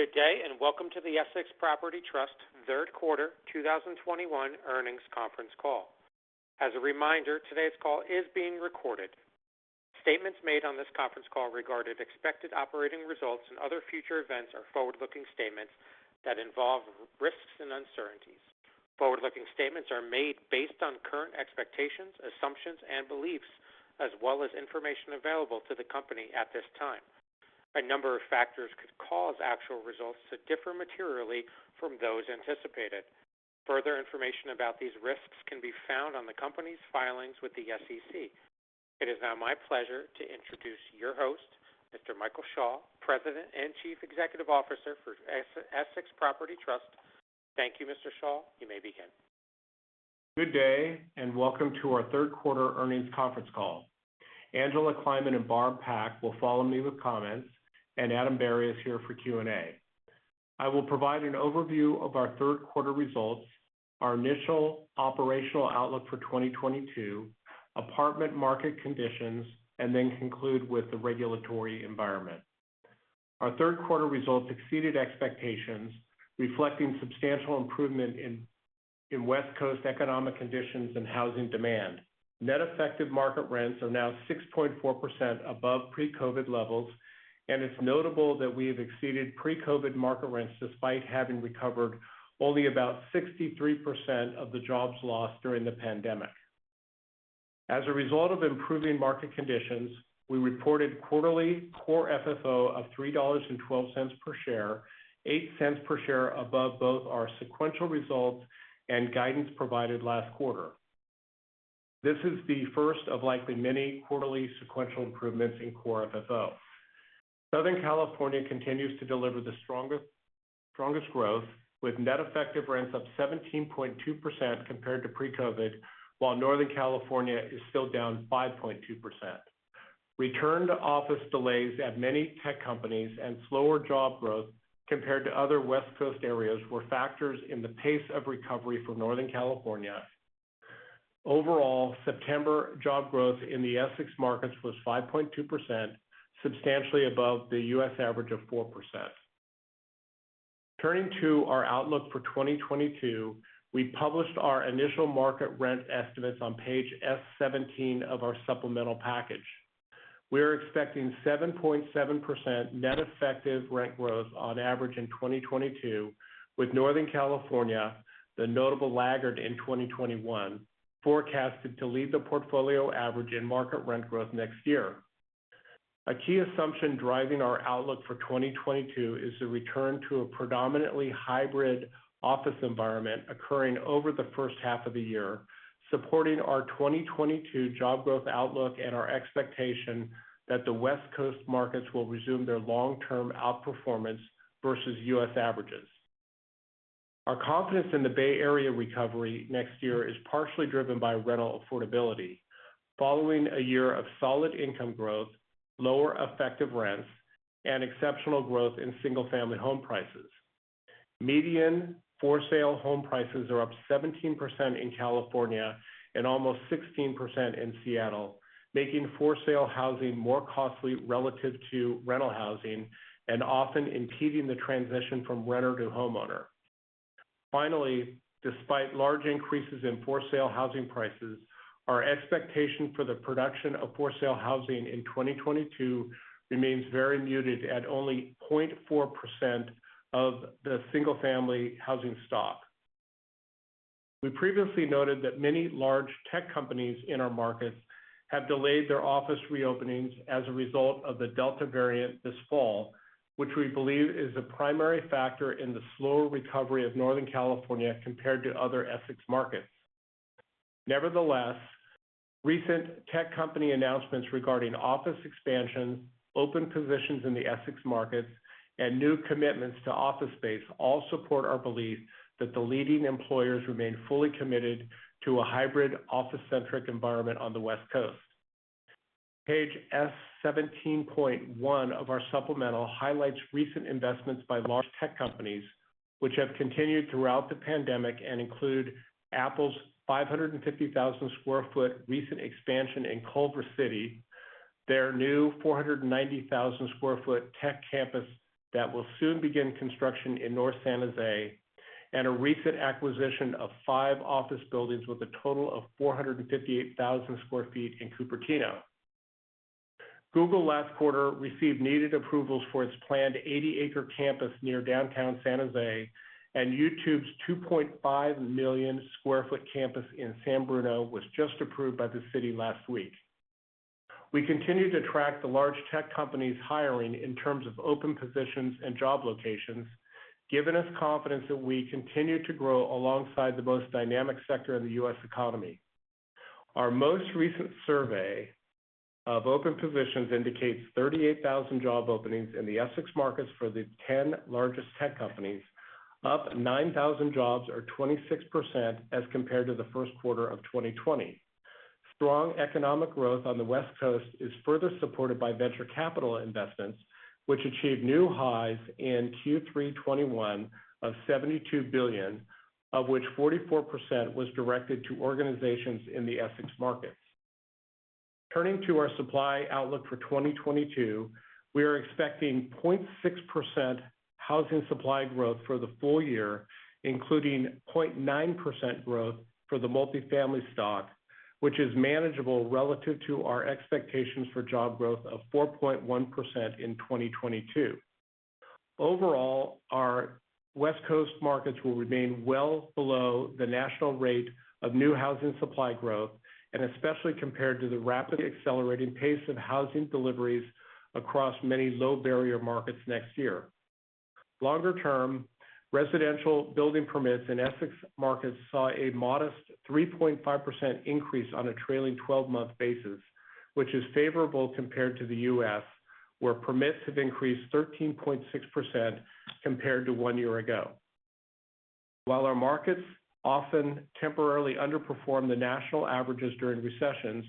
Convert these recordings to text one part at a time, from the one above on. Good day, and welcome to the Essex Property Trust Q3 2021 Earnings Conference Call. As a reminder, today's call is being recorded. Statements made on this conference call regarding expected operating results and other future events are forward-looking statements that involve risks and uncertainties. Forward-looking statements are made based on current expectations, assumptions, and beliefs as well as information available to the company at this time. A number of factors could cause actual results to differ materially from those anticipated. Further information about these risks can be found on the company's filings with the SEC. It is now my pleasure to introduce your host, Mr. Michael Schall, President and Chief Executive Officer for Essex Property Trust. Thank you, Mr. Schall. You may begin. Good day, and welcome to our Q3 earnings conference call. Angela Kleiman and Barb Pak will follow me with comments, and Adam Berry is here for Q&A. I will provide an overview of our Q3 results, our initial operational outlook for 2022, apartment market conditions, and then conclude with the regulatory environment. Our Q3 results exceeded expectations, reflecting substantial improvement in West Coast economic conditions and housing demand. Net effective market rents are now 6.4% above pre-COVID levels, and it's notable that we have exceeded pre-COVID market rents despite having recovered only about 63% of the jobs lost during the pandemic. As a result of improving market conditions, we reported quarterly core FFO of $3.12 per share, $0.08 per share above both our sequential results and guidance provided last quarter. This is the first of likely many quarterly sequential improvements in Core FFO. Southern California continues to deliver the strongest growth with net effective rents up 17.2% compared to pre-COVID, while Northern California is still down 5.2%. Return to office delays at many tech companies and slower job growth compared to other West Coast areas were factors in the pace of recovery for Northern California. Overall, September job growth in the Essex markets was 5.2%, substantially above the U.S. average of 4%. Turning to our outlook for 2022, we published our initial market rent estimates on page S-17 of our supplemental package. We are expecting 7.7% net effective rent growth on average in 2022 with Northern California, the notable laggard in 2021, forecasted to lead the portfolio average in market rent growth next year. A key assumption driving our outlook for 2022 is the return to a predominantly hybrid office environment occurring over the first half of the year, supporting our 2022 job growth outlook and our expectation that the West Coast markets will resume their long-term outperformance versus U.S. averages. Our confidence in the Bay Area recovery next year is partially driven by rental affordability following a year of solid income growth, lower effective rents, and exceptional growth in single-family home prices. Median for sale home prices are up 17% in California and almost 16% in Seattle, making for sale housing more costly relative to rental housing and often impeding the transition from renter to homeowner. Finally, despite large increases in for sale housing prices, our expectation for the production of for sale housing in 2022 remains very muted at only 0.4% of the single-family housing stock. We previously noted that many large tech companies in our markets have delayed their office reopenings as a result of the Delta variant this fall, which we believe is the primary factor in the slower recovery of Northern California compared to other Essex markets. Nevertheless, recent tech company announcements regarding office expansion, open positions in the Essex markets, and new commitments to office space all support our belief that the leading employers remain fully committed to a hybrid office-centric environment on the West Coast. Page S-17.1 of our supplemental highlights recent investments by large tech companies which have continued throughout the pandemic and include Apple's 550,000 sq ft recent expansion in Culver City, their new 490,000 sq ft tech campus that will soon begin construction in North San Jose, and a recent acquisition of five office buildings with a total of 458,000 sq ft in Cupertino. Google last quarter received needed approvals for its planned 80-acre campus near downtown San José, and YouTube's 2.5 million sq ft campus in San Bruno was just approved by the city last week. We continue to track the large tech companies hiring in terms of open positions and job locations, giving us confidence that we continue to grow alongside the most dynamic sector of the U.S. economy. Our most recent survey of open positions indicates 38,000 job openings in the Essex markets for the 10 largest tech companies, up 9,000 jobs or 26% as compared to the Q1 of 2020. Strong economic growth on the West Coast is further supported by venture capital investments, which achieved new highs in Q3 2021 of $72 billion, of which 44% was directed to organizations in the Essex markets. Turning to our supply outlook for 2022, we are expecting 0.6% housing supply growth for the full year, including 0.9% growth for the multifamily stock, which is manageable relative to our expectations for job growth of 4.1% in 2022. Overall, our West Coast markets will remain well below the national rate of new housing supply growth and especially compared to the rapidly accelerating pace of housing deliveries across many low barrier markets next year. Longer term, residential building permits in Essex markets saw a modest 3.5% increase on a trailing 12-month basis, which is favorable compared to the U.S., where permits have increased 13.6% compared to one year ago. While our markets often temporarily underperform the national averages during recessions,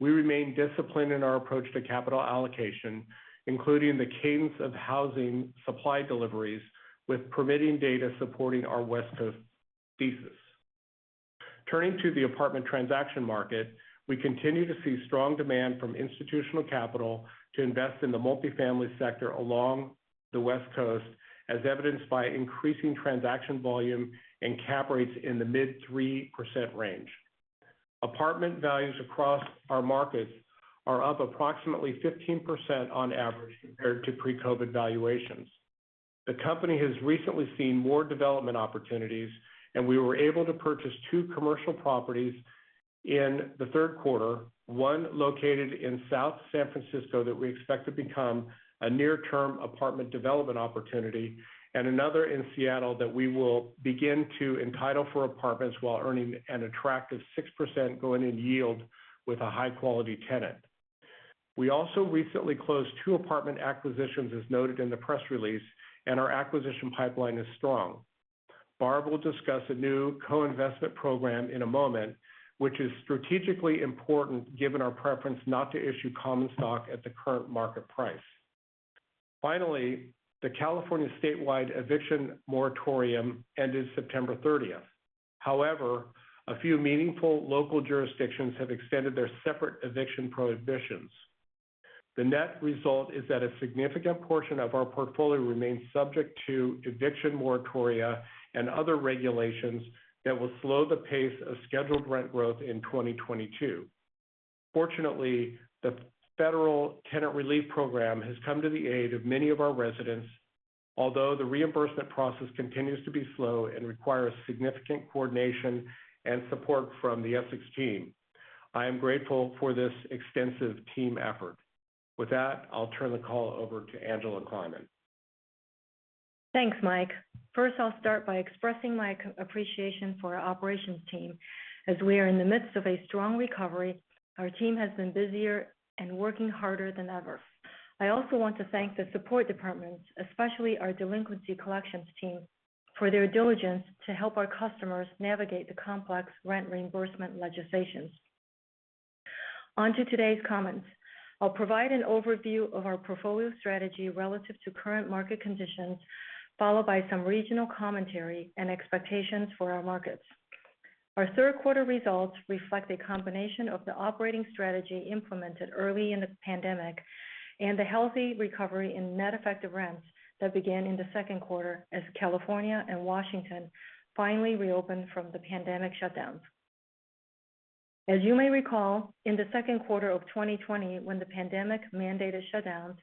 we remain disciplined in our approach to capital allocation, including the cadence of housing supply deliveries with permitting data supporting our West Coast thesis. Turning to the apartment transaction market, we continue to see strong demand from institutional capital to invest in the multifamily sector along the West Coast, as evidenced by increasing transaction volume and cap rates in the mid-3% range. Apartment values across our markets are up approximately 15% on average compared to pre-COVID valuations. The company has recently seen more development opportunities, and we were able to purchase two commercial properties in the Q3, one located in South San Francisco that we expect to become a near-term apartment development opportunity, and another in Seattle that we will begin to entitle for apartments while earning an attractive 6% going-in yield with a high-quality tenant. We also recently closed two apartment acquisitions, as noted in the press release, and our acquisition pipeline is strong. Barb will discuss a new co-investment program in a moment, which is strategically important given our preference not to issue common stock at the current market price. Finally, the California statewide eviction moratorium ended September 30th. However, a few meaningful local jurisdictions have extended their separate eviction prohibitions. The net result is that a significant portion of our portfolio remains subject to eviction moratoria and other regulations that will slow the pace of scheduled rent growth in 2022. Fortunately, the Federal Tenant Relief Program has come to the aid of many of our residents. Although the reimbursement process continues to be slow and requires significant coordination and support from the Essex team, I am grateful for this extensive team effort. With that, I'll turn the call over to Angela Kleiman. Thanks, Mike. First, I'll start by expressing my appreciation for our operations team. As we are in the midst of a strong recovery, our team has been busier and working harder than ever. I also want to thank the support departments, especially our delinquency collections team, for their diligence to help our customers navigate the complex rent reimbursement legislation. On to today's comments. I'll provide an overview of our portfolio strategy relative to current market conditions, followed by some regional commentary and expectations for our markets. Our Q3 results reflect a combination of the operating strategy implemented early in the pandemic, and a healthy recovery in net effective rents that began in the Q2 as California and Washington finally reopened from the pandemic shutdowns. As you may recall, in the Q2 of 2020 when the pandemic mandated shutdowns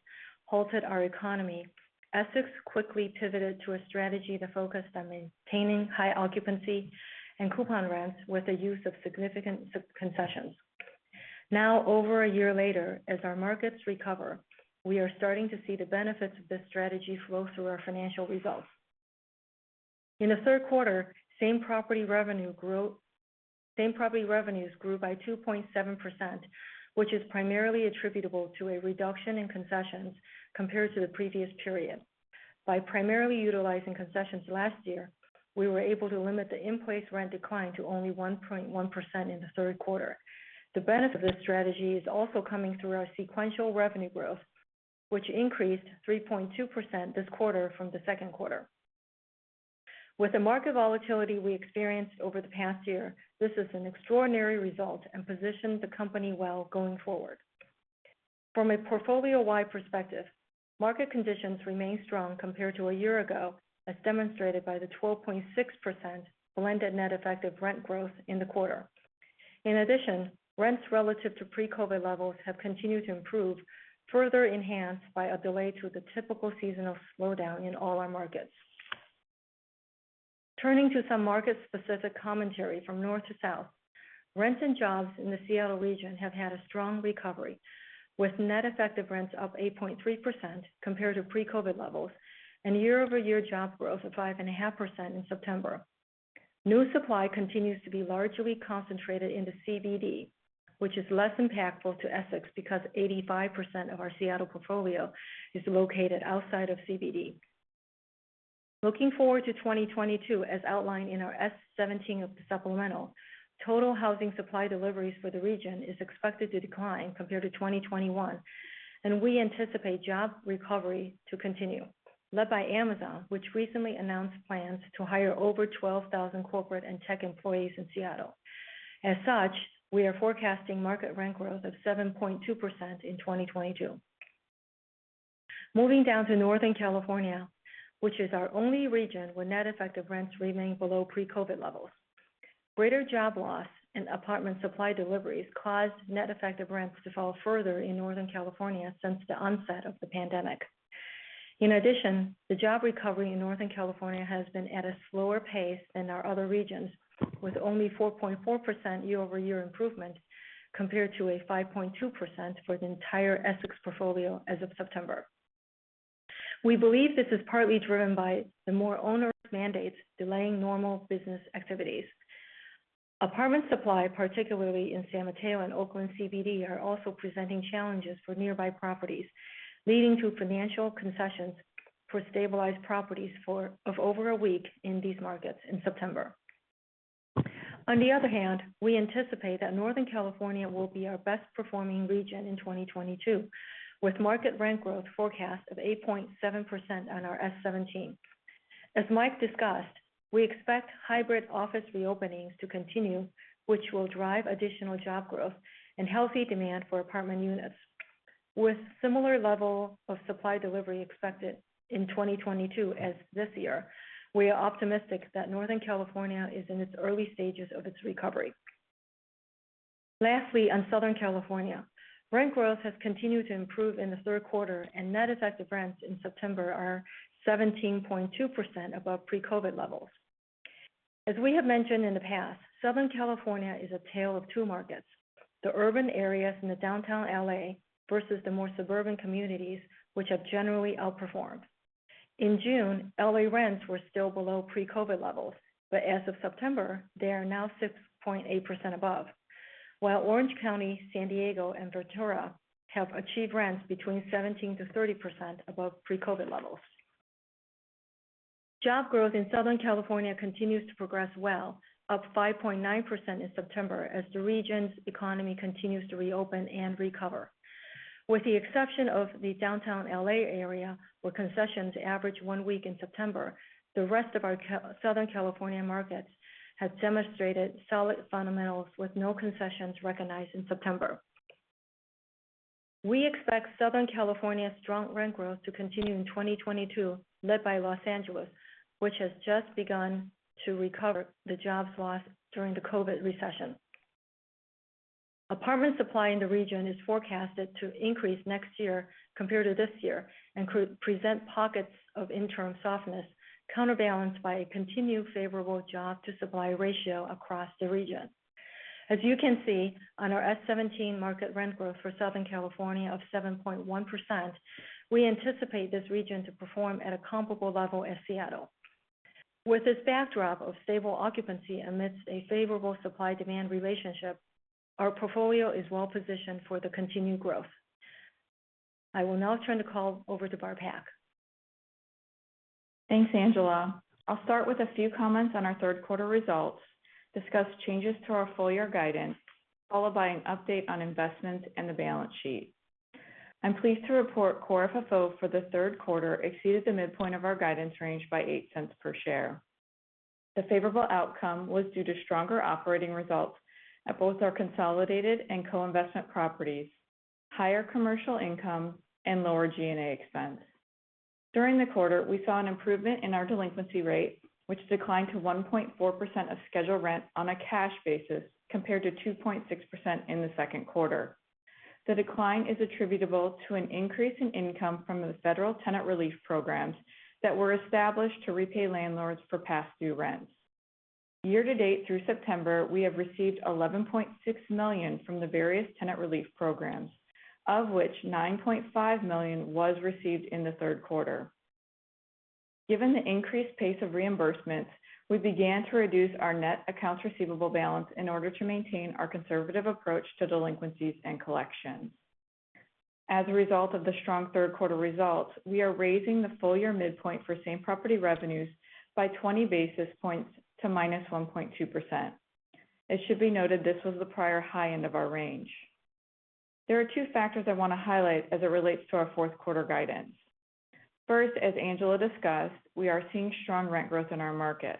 halted our economy, Essex quickly pivoted to a strategy that focused on maintaining high occupancy and coupon rents with the use of significant concessions. Now, over a year later, as our markets recover, we are starting to see the benefits of this strategy flow through our financial results. In the Q3, same property revenues grew by 2.7%, which is primarily attributable to a reduction in concessions compared to the previous period. By primarily utilizing concessions last year, we were able to limit the in-place rent decline to only 1.1% in the Q3. The benefit of this strategy is also coming through our sequential revenue growth, which increased 3.2% this quarter from the Q2. With the market volatility we experienced over the past year, this is an extraordinary result and positions the company well going forward. From a portfolio-wide perspective, market conditions remain strong compared to a year ago, as demonstrated by the 12.6% blended net effective rent growth in the quarter. In addition, rents relative to pre-COVID levels have continued to improve, further enhanced by a delay to the typical seasonal slowdown in all our markets. Turning to some market specific commentary from north to south. Rents and jobs in the Seattle region have had a strong recovery, with net effective rents up 8.3% compared to pre-COVID levels and year-over-year job growth of 5.5% in September. New supply continues to be largely concentrated in the CBD, which is less impactful to Essex because 85% of our Seattle portfolio is located outside of CBD. Looking forward to 2022 as outlined in our S-17 supplemental, total housing supply deliveries for the region is expected to decline compared to 2021, and we anticipate job recovery to continue, led by Amazon, which recently announced plans to hire over 12,000 corporate and tech employees in Seattle. As such, we are forecasting market rent growth of 7.2% in 2022. Moving down to Northern California, which is our only region where net effective rents remain below pre-COVID levels. Greater job loss and apartment supply deliveries caused net effective rents to fall further in Northern California since the onset of the pandemic. In addition, the job recovery in Northern California has been at a slower pace than our other regions, with only 4.4% year-over-year improvement compared to a 5.2% for the entire Essex portfolio as of September. We believe this is partly driven by the more onerous mandates delaying normal business activities. Apartment supply, particularly in San Mateo and Oakland CBD, are also presenting challenges for nearby properties, leading to financial concessions for stabilized properties for over a week in these markets in September. On the other hand, we anticipate that Northern California will be our best-performing region in 2022, with market rent growth forecast of 8.7% on our S-17. As Mike discussed, we expect hybrid office reopenings to continue, which will drive additional job growth and healthy demand for apartment units. With similar level of supply delivery expected in 2022 as this year, we are optimistic that Northern California is in its early stages of its recovery. Lastly, on Southern California, rent growth has continued to improve in the Q3, and net effective rents in September are 17.2% above pre-COVID levels. As we have mentioned in the past, Southern California is a tale of two markets, the urban areas in the downtown L.A. versus the more suburban communities, which have generally outperformed. In June, L.A. rents were still below pre-COVID levels, but as of September, they are now 6.8% above. While Orange County, San Diego, and Ventura have achieved rents between 17%-30% above pre-COVID levels. Job growth in Southern California continues to progress well, up 5.9% in September as the region's economy continues to reopen and recover. With the exception of the downtown L.A. area, where concessions averaged one week in September, the rest of our Southern California markets have demonstrated solid fundamentals with no concessions recognized in September. We expect Southern California's strong rent growth to continue in 2022, led by Los Angeles, which has just begun to recover the jobs lost during the COVID recession. Apartment supply in the region is forecasted to increase next year compared to this year and could present pockets of interim softness counterbalanced by a continued favorable job-to-supply ratio across the region. As you can see on our S-17 market rent growth for Southern California of 7.1%, we anticipate this region to perform at a comparable level as Seattle. With this backdrop of stable occupancy amidst a favorable supply-demand relationship, our portfolio is well positioned for the continued growth. I will now turn the call over to Barb Pak. Thanks, Angela. I'll start with a few comments on our Q3 results, discuss changes to our full-year guidance, followed by an update on investments and the balance sheet. I'm pleased to report Core FFO for the Q3 exceeded the midpoint of our guidance range by $0.08 per share. The favorable outcome was due to stronger operating results at both our consolidated and co-investment properties, higher commercial income, and lower G&A expense. During the quarter, we saw an improvement in our delinquency rate, which declined to 1.4% of scheduled rent on a cash basis compared to 2.6% in the Q2. The decline is attributable to an increase in income from the federal tenant relief programs that were established to repay landlords for past due rents. Year-to-date through September, we have received $11.6 million from the various tenant relief programs, of which $9.5 million was received in the Q3. Given the increased pace of reimbursements, we began to reduce our net accounts receivable balance in order to maintain our conservative approach to delinquencies and collections. As a result of the strong Q3 results, we are raising the full year midpoint for same property revenues by 20 basis points to -1.2%. It should be noted this was the prior high end of our range. There are two factors I want to highlight as it relates to our Q4 guidance. First, as Angela discussed, we are seeing strong rent growth in our markets.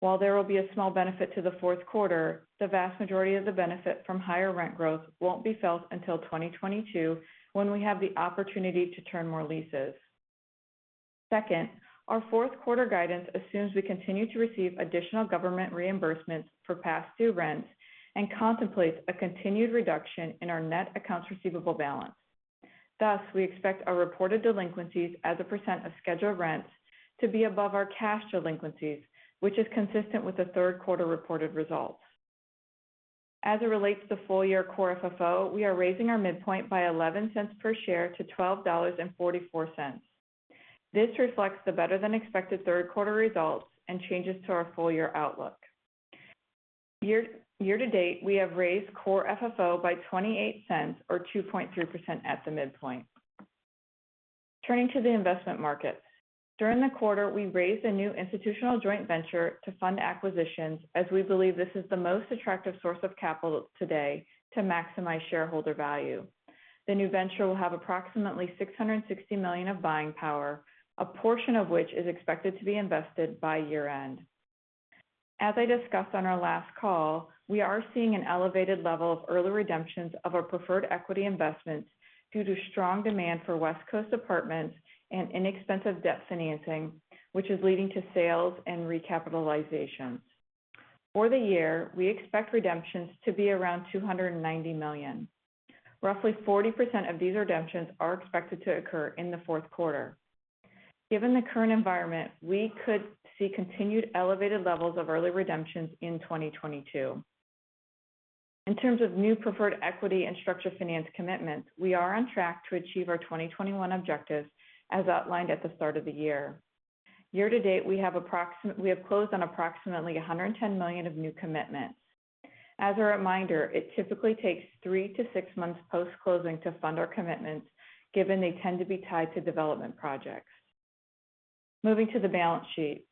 While there will be a small benefit to the Q4, the vast majority of the benefit from higher rent growth won't be felt until 2022 when we have the opportunity to turn more leases. Second, our Q4 guidance assumes we continue to receive additional government reimbursements for past due rents and contemplates a continued reduction in our net accounts receivable balance. Thus, we expect our reported delinquencies as a percent of scheduled rents to be above our cash delinquencies, which is consistent with the Q3 reported results. As it relates to full-year Core FFO, we are raising our midpoint by $0.11 per share to $12.44. This reflects the better-than-expected Q3 results, and changes to our full-year outlook. Year-to-date, we have raised Core FFO by $0.28 or 2.3% at the midpoint. Turning to the investment market. During the quarter, we raised a new institutional joint venture to fund acquisitions as we believe this is the most attractive source of capital today to maximize shareholder value. The new venture will have approximately $660 million of buying power, a portion of which is expected to be invested by year-end. As I discussed on our last call, we are seeing an elevated level of early redemptions of our preferred equity investments due to strong demand for West Coast apartments and inexpensive debt financing, which is leading to sales and recapitalizations. For the year, we expect redemptions to be around $290 million. Roughly 40% of these redemptions are expected to occur in the Q4. Given the current environment, we could see continued elevated levels of early redemptions in 2022. In terms of new preferred equity and structured finance commitments, we are on track to achieve our 2021 objectives as outlined at the start of the year. Year-to-date, we have closed on approximately $110 million of new commitments. As a reminder, it typically takes three to six months post-closing to fund our commitments, given they tend to be tied to development projects. Moving to the balance sheet.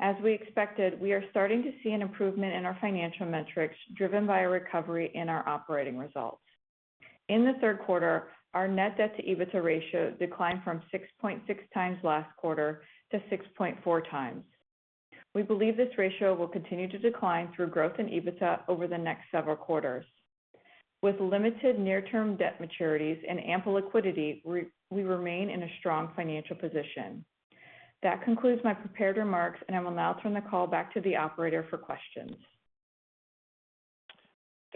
As we expected, we are starting to see an improvement in our financial metrics, driven by a recovery in our operating results. In the Q3, our Net Debt to EBITDA ratio declined from 6.6x last quarter to 6.4x. We believe this ratio will continue to decline through growth in EBITDA over the next several quarters. With limited near term debt maturities and ample liquidity, we remain in a strong financial position. That concludes my prepared remarks, and I will now turn the call back to the operator for questions.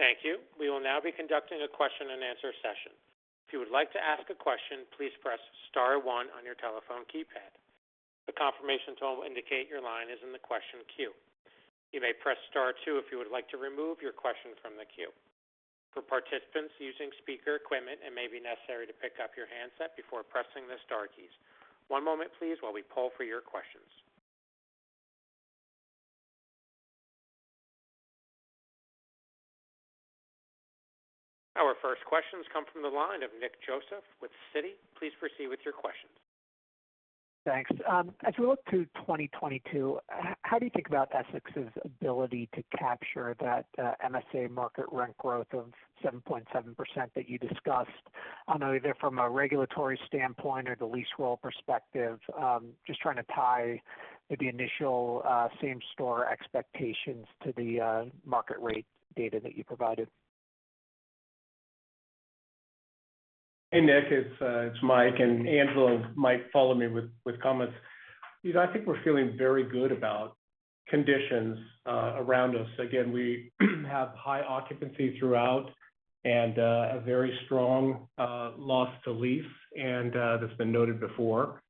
Thank you. We will now be conducting a question and answer session. If you would like to ask a question, please press star one on your telephone keypad. The confirmation tone will indicate your line is in the question queue. You may press star two if you would like to remove your question from the queue. For participants using speaker equipment, it may be necessary to pick up your handset before pressing the star keys. One moment please while we poll for your questions. Our first questions come from the line of Nick Joseph with Citi. Please proceed with your questions. Thanks. As we look to 2022, how do you think about Essex's ability to capture that MSA market rent growth of 7.7% that you discussed? I don't know, either from a regulatory standpoint or the lease roll perspective, just trying to tie the initial same store expectations to the market rate data that you provided. Hey, Nick, it's Mike, and Angela might follow me with comments. You know, I think we're feeling very good about conditions around us. Again, we have high occupancy throughout and a very strong loss to lease, and that's been noted before.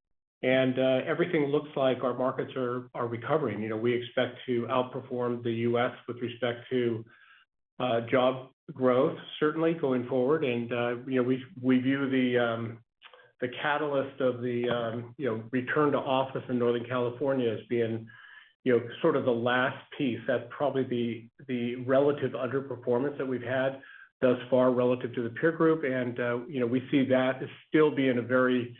Everything looks like our markets are recovering. You know, we expect to outperform the U.S. with respect to job growth, certainly going forward. You know, we view the catalyst of the return to office in Northern California as being sort of the last piece. That's probably the relative underperformance that we've had thus far relative to the peer group. You know, we see that as still being a very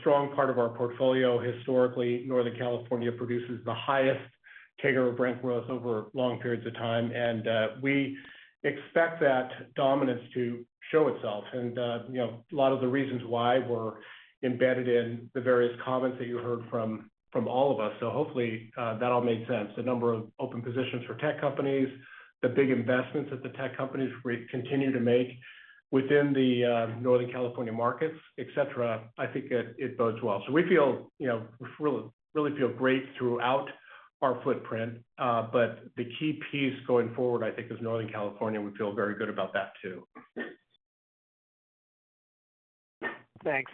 strong part of our portfolio. Historically, Northern California produces the highest CAGR of rent growth over long periods of time. We expect that dominance to show itself. You know, a lot of the reasons why were embedded in the various comments that you heard from all of us. Hopefully, that all made sense. The number of open positions for tech companies, the big investments that the tech companies continue to make within the Northern California markets, et cetera, I think it bodes well. We feel, you know, really great throughout our footprint. The key piece going forward, I think, is Northern California. We feel very good about that too. Thanks.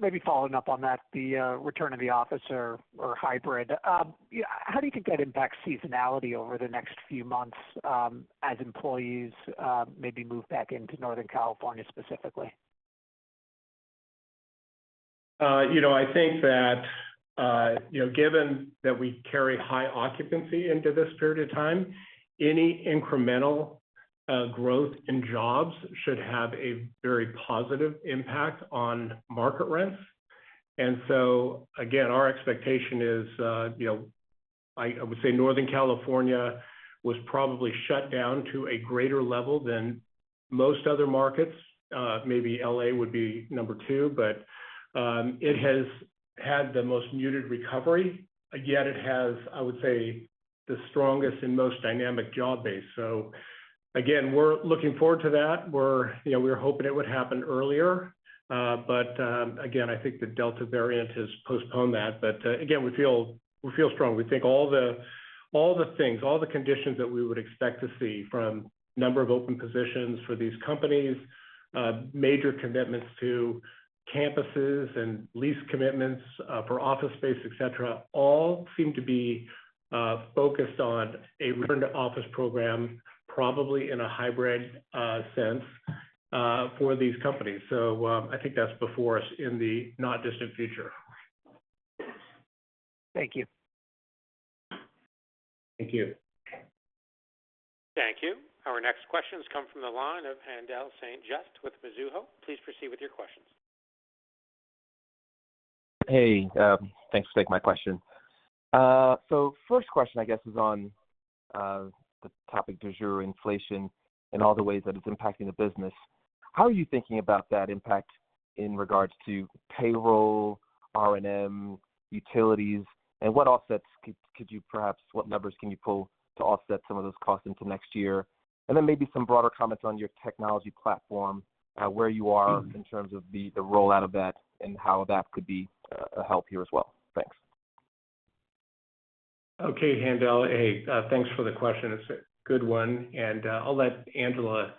Maybe following up on that, the return of the office or hybrid. How do you think that impacts seasonality over the next few months, as employees maybe move back into Northern California specifically? You know, I think that, you know, given that we carry high occupancy into this period of time, any incremental growth in jobs should have a very positive impact on market rents. Our expectation is, you know, I would say Northern California was probably shut down to a greater level than most other markets. Maybe L.A. would be number two, but it has had the most muted recovery. Yet it has, I would say, the strongest and most dynamic job base. We're looking forward to that. We're, you know, we were hoping it would happen earlier. Again, I think the Delta variant has postponed that. Again, we feel strong. We think all the conditions that we would expect to see from number of open positions for these companies, major commitments to campuses and lease commitments for office space, et cetera, all seem to be focused on a return to office program, probably in a hybrid sense for these companies. I think that's before us in the not distant future. Thank you. Thank you. Thank you. Our next questions come from the line of Haendel St. Juste with Mizuho. Please proceed with your questions. Hey, thanks for taking my question. So first question, I guess, is on the topic du jour, inflation and all the ways that it's impacting the business. How are you thinking about that impact in regards to payroll, R&M, utilities, and what offsets could what levers can you pull to offset some of those costs into next year? Then maybe some broader comments on your technology platform, where you are in terms of the rollout of that and how that could be helpful here as well. Thanks. Okay, Haendel. Hey, thanks for the question. It's a good one, and I'll let Angela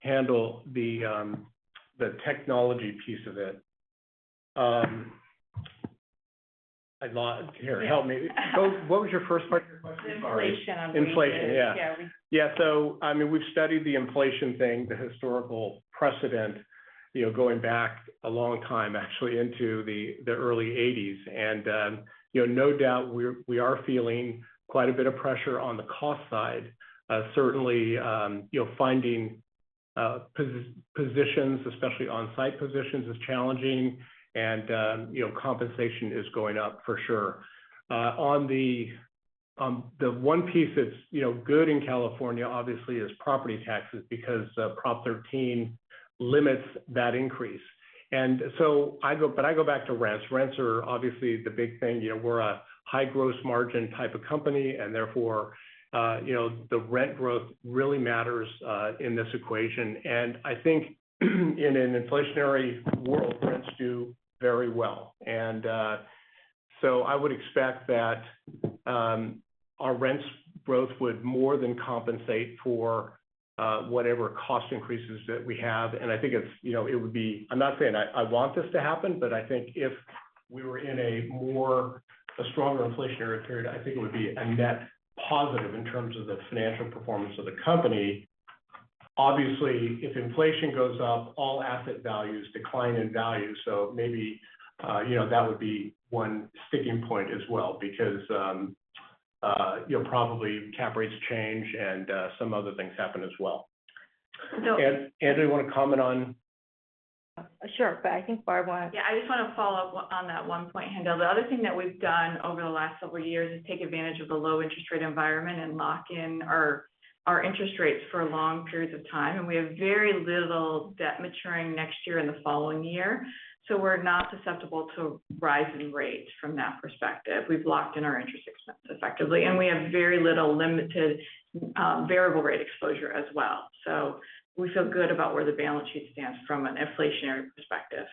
handle the technology piece of it. Here, help me. What was your first part of your question? Sorry. The inflation on wages. Inflation. Yeah. Yeah. Yeah. I mean, we've studied the inflation thing, the historical precedent, you know, going back a long time, actually, into the early 1980s. You know, no doubt we are feeling quite a bit of pressure on the cost side. Certainly, you know, finding positions, especially on-site positions, is challenging and, you know, compensation is going up for sure. On the one piece that's, you know, good in California, obviously, is property taxes because Proposition 13 limits that increase. I go back to rents. Rents are obviously the big thing. You know, we're a high gross margin type of company, and therefore, you know, the rent growth really matters in this equation. I think in an inflationary world, rents do very well. I would expect that our rents growth would more than compensate for whatever cost increases that we have. I think it's, you know, it would be. I'm not saying I want this to happen, but I think if we were in a stronger inflationary period, I think it would be a net positive in terms of the financial performance of the company. Obviously, if inflation goes up, all asset values decline in value. Maybe, you know, that would be one sticking point as well because, you know, probably cap rates change and some other things happen as well. So. Angela, you want to comment on. Sure. I think Barb wants. Yeah. I just want to follow up on that one point, Haendel. The other thing that we've done over the last several years is take advantage of the low interest rate environment and lock in our interest rates for long periods of time, and we have very little debt maturing next year and the following year. We're not susceptible to rising rates from that perspective. We've locked in our interest expense effectively, and we have very limited variable rate exposure as well. We feel good about where the balance sheet stands from an inflationary perspective.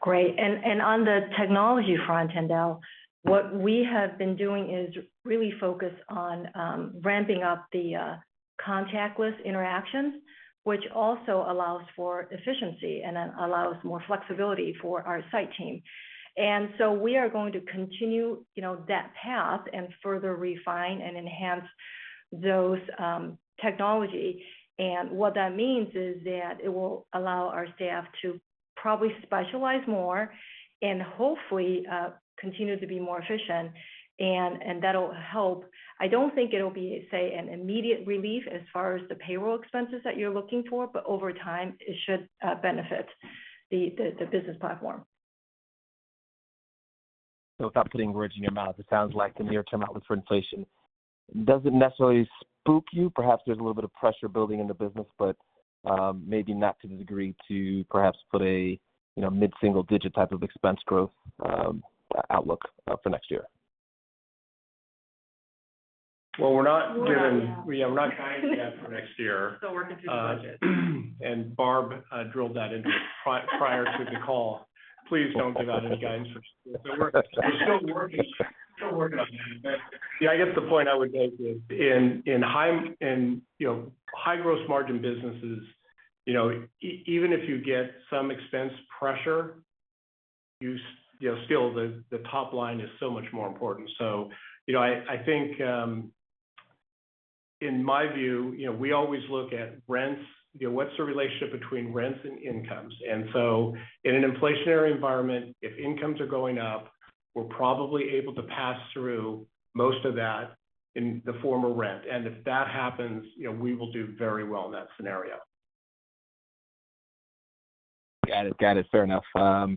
Great. On the technology front, Haendel, what we have been doing is really focus on ramping up the contactless interactions, which also allows for efficiency and then allows more flexibility for our site team. We are going to continue, you know, that path and further refine and enhance those technology. What that means is that it will allow our staff to probably specialize more and hopefully continue to be more efficient, and that'll help. I don't think it'll be, say, an immediate relief as far as the payroll expenses that you're looking for, but over time, it should benefit the business platform. Without putting words in your mouth, it sounds like the near-term outlook for inflation doesn't necessarily spook you? Perhaps there's a little bit of pressure building in the business, but maybe not to the degree to perhaps put a, you know, mid-single digit type of expense growth, outlook for next year? Well, we're not giving. We're not there. Yeah, we're not guiding yet for next year. Still working through the budget. Barb drilled that into me prior to the call. Please don't give out any guidance. We're still working on that. Yeah, I guess the point I would make is in high gross margin businesses, you know, even if you get some expense pressure, you know, still the top line is so much more important. You know, I think in my view, you know, we always look at rents. You know, what's the relationship between rents and incomes? In an inflationary environment, if incomes are going up, we're probably able to pass through most of that in the form of rent. If that happens, you know, we will do very well in that scenario. Got it. Fair enough. A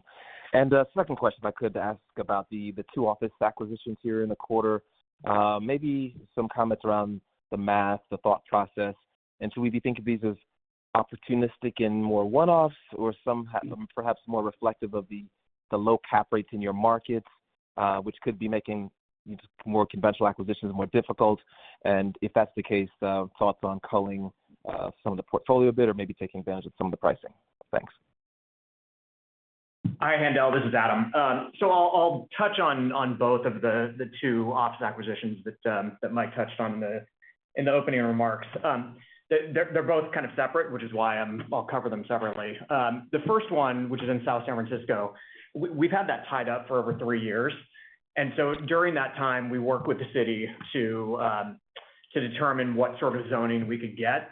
second question if I could ask about the two office acquisitions here in the quarter. Maybe some comments around the math, the thought process. Whether you think of these as opportunistic and more one-offs or perhaps more reflective of the low cap rates in your markets, which could be making just more conventional acquisitions more difficult. If that's the case, thoughts on culling some of the portfolio a bit or maybe taking advantage of some of the pricing. Thanks. Hi, Haendel. This is Adam. I'll touch on both of the two office acquisitions that Mike touched on in the opening remarks. They're both kind of separate, which is why I'll cover them separately. The first one, which is in South San Francisco, we've had that tied up for over three years. During that time, we worked with the city to determine what sort of zoning we could get.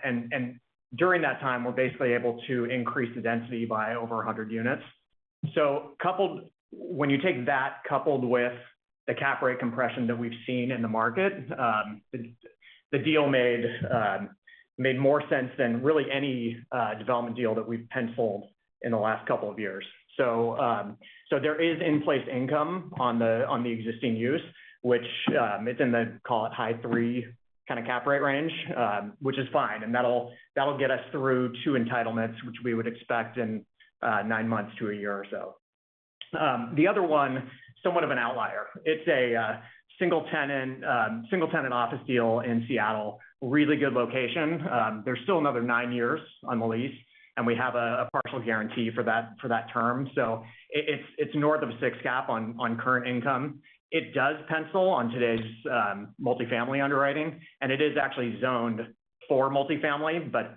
During that time, we were basically able to increase the density by over 100 units. When you take that coupled with the cap rate compression that we've seen in the market, the deal made more sense than really any development deal that we've penciled in the last couple of years. There is in-place income on the existing use, which it's in the call it high 3 kind of cap rate range, which is fine. That'll get us through two entitlements, which we would expect in nine months to a year or so. The other one, somewhat of an outlier. It's a single tenant office deal in Seattle. Really good location. There's still another nine years on the lease, and we have a partial guarantee for that term. It's north of 6 cap on current income. It does pencil on today's multifamily underwriting, and it is actually zoned for multifamily, but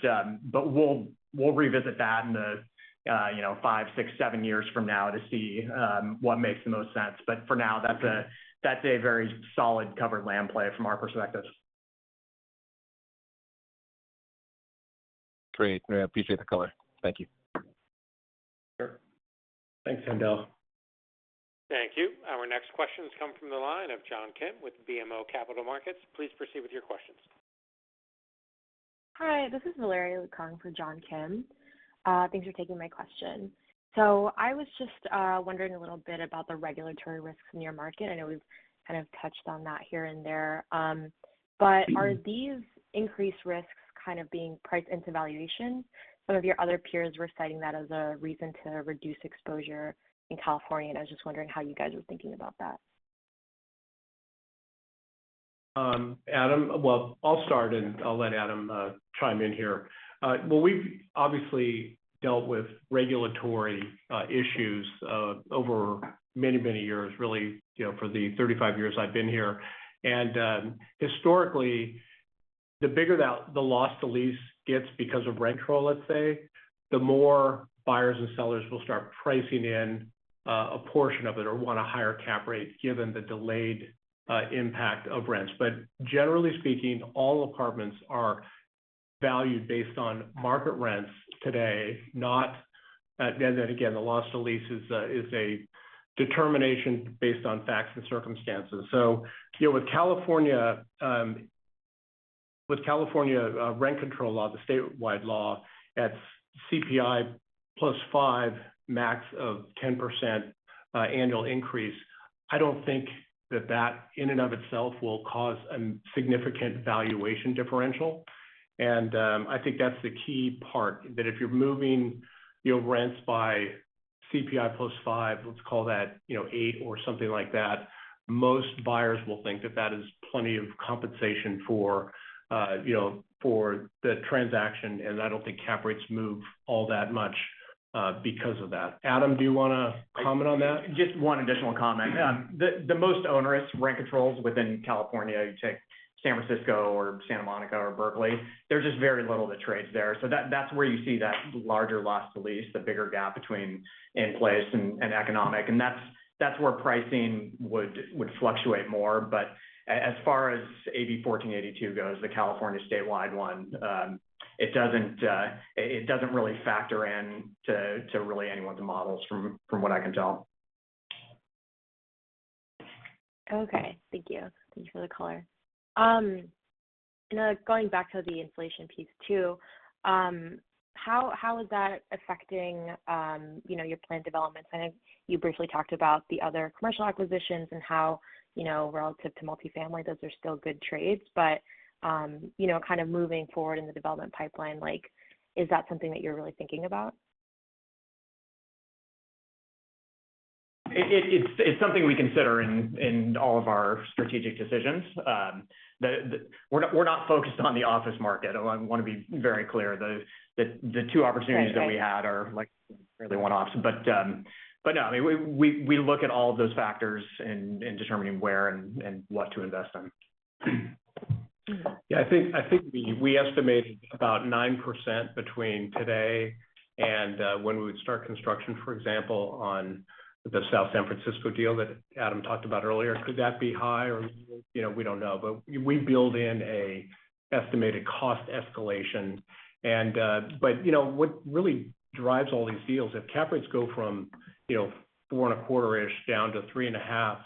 we'll revisit that in the you know five, six, seven years from now to see what makes the most sense. For now, that's a very solid covered land play from our perspective. Great. I appreciate the color. Thank you. Sure. Thanks, Haendel. Thank you. Our next question comes from the line of John Kim with BMO Capital Markets. Please proceed with your questions. Hi, this is Larry for John Kim. Thanks for taking my question. I was just wondering a little bit about the regulatory risks in your market. I know we've kind of touched on that here and there. But are these increased risks kind of being priced into valuation? Some of your other peers were citing that as a reason to reduce exposure in California. I was just wondering how you guys were thinking about that. Adam. Well, I'll start, and I'll let Adam chime in here. Well, we've obviously dealt with regulatory issues over many years, really, you know, for the 35 years I've been here. Historically, the bigger the loss to lease gets because of rent control, let's say, the more buyers and sellers will start pricing in a portion of it or want a higher cap rate given the delayed impact of rents. But generally speaking, all apartments are valued based on market rents today, not then, and again, the loss to lease is a determination based on facts and circumstances. You know, with California rent control law, the statewide law, that's CPI +5, max of 10%, annual increase. I don't think that in and of itself will cause a significant valuation differential. I think that's the key part, that if you're moving, you know, rents by CPI +5, let's call that, you know, eight or something like that, most buyers will think that is plenty of compensation for, you know, for the transaction. I don't think cap rates move all that much, because of that. Adam, do you want to comment on that? Just one additional comment. The most onerous rent controls within California, you take San Francisco or Santa Monica or Berkeley, there's just very little that trades there. That's where you see that larger loss to lease, the bigger gap between in place and economic. That's where pricing would fluctuate more. As far as AB 1482 goes, the California statewide one, it doesn't really factor in to really any of the models from what I can tell. Okay. Thank you. Thanks for the color. Going back to the inflation piece too, how is that affecting you know, your planned developments? I know you briefly talked about the other commercial acquisitions and how, you know, relative to multifamily, those are still good trades. You know, kind of moving forward in the development pipeline, like, is that something that you're really thinking about? It's something we consider in all of our strategic decisions. We're not focused on the office market. I want to be very clear. The two opportunities that we had are like really one-off. No, I mean, we look at all of those factors in determining where and what to invest in. Yeah. I think we estimate about 9% between today and when we would start construction, for example, on the South San Francisco deal that Adam talked about earlier. Could that be high or you know, we don't know. We build in an estimated cost escalation. You know, what really drives all these deals, if cap rates go from you know, 4.25-ish down to 3.5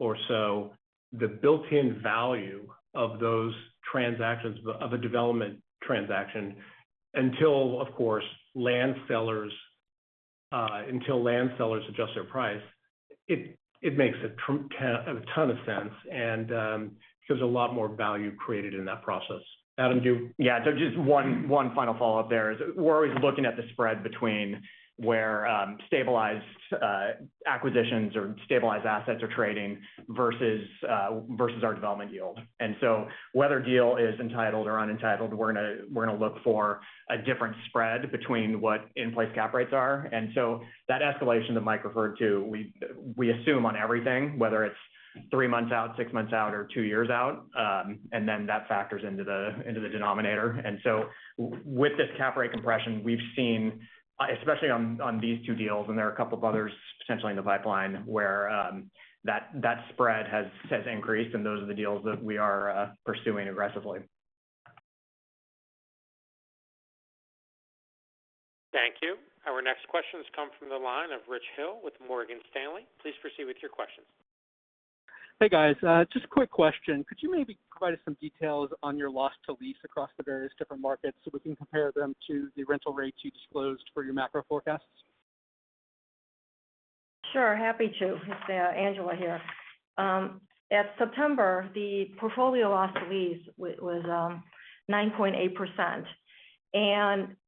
or so, the built-in value of those transactions, of a development transaction, until, of course, land sellers adjust their price, it makes a ton of sense and there's a lot more value created in that process. Adam, do you? Yeah. Just one final follow-up there is we're always looking at the spread between where stabilized acquisitions or stabilized assets are trading versus our development yield. Whether a deal is entitled or un-entitled, we're going to look for a different spread between what in-place cap rates are. That escalation that Mike referred to, we assume on everything, whether it's three months out, six months out, or two years out, and then that factors into the denominator. With this cap rate compression we've seen, especially on these two deals, and there are a couple of others potentially in the pipeline where that spread has increased, and those are the deals that we are pursuing aggressively. Thank you. Our next question comes from the line of Rich Hill with Morgan Stanley. Please proceed with your questions. Hey, guys. Just a quick question. Could you maybe provide us some details on your loss to lease across the various different markets so we can compare them to the rental rates you disclosed for your macro forecasts? Sure. Happy to. It's Angela here. At September, the portfolio loss to lease was 9.8%.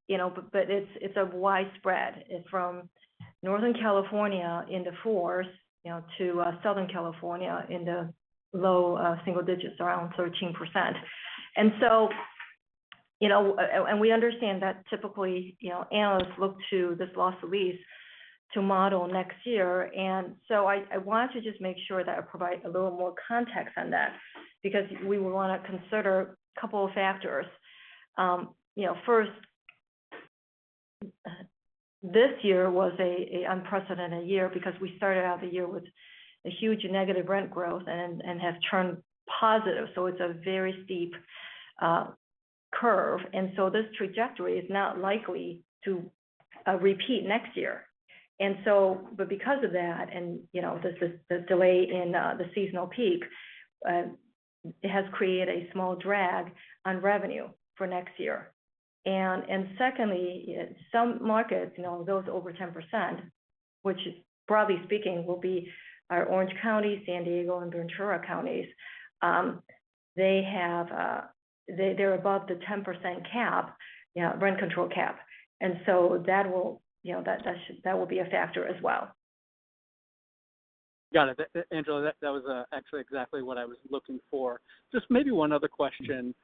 You know, but it's widespread. It's from Northern California in the 4s, you know, to Southern California in the low single digits, around 13%. You know, and we understand that typically, you know, analysts look to this loss to lease to model next year. I want to just make sure that I provide a little more context on that because we want to consider a couple of factors. You know, first, this year was a unprecedented year because we started out the year with a huge negative rent growth and have turned positive. It's a very steep curve. This trajectory is not likely to repeat next year. Because of that, and, you know, this is the delay in the seasonal peak, it has created a small drag on revenue for next year. Secondly, some markets, you know, those over 10%, which broadly speaking will be our Orange County, San Diego and Ventura Counties, they're above the 10% cap, you know, rent control cap. That will, you know, be a factor as well. Got it. Angela, that was actually exactly what I was looking for. Just maybe one other question.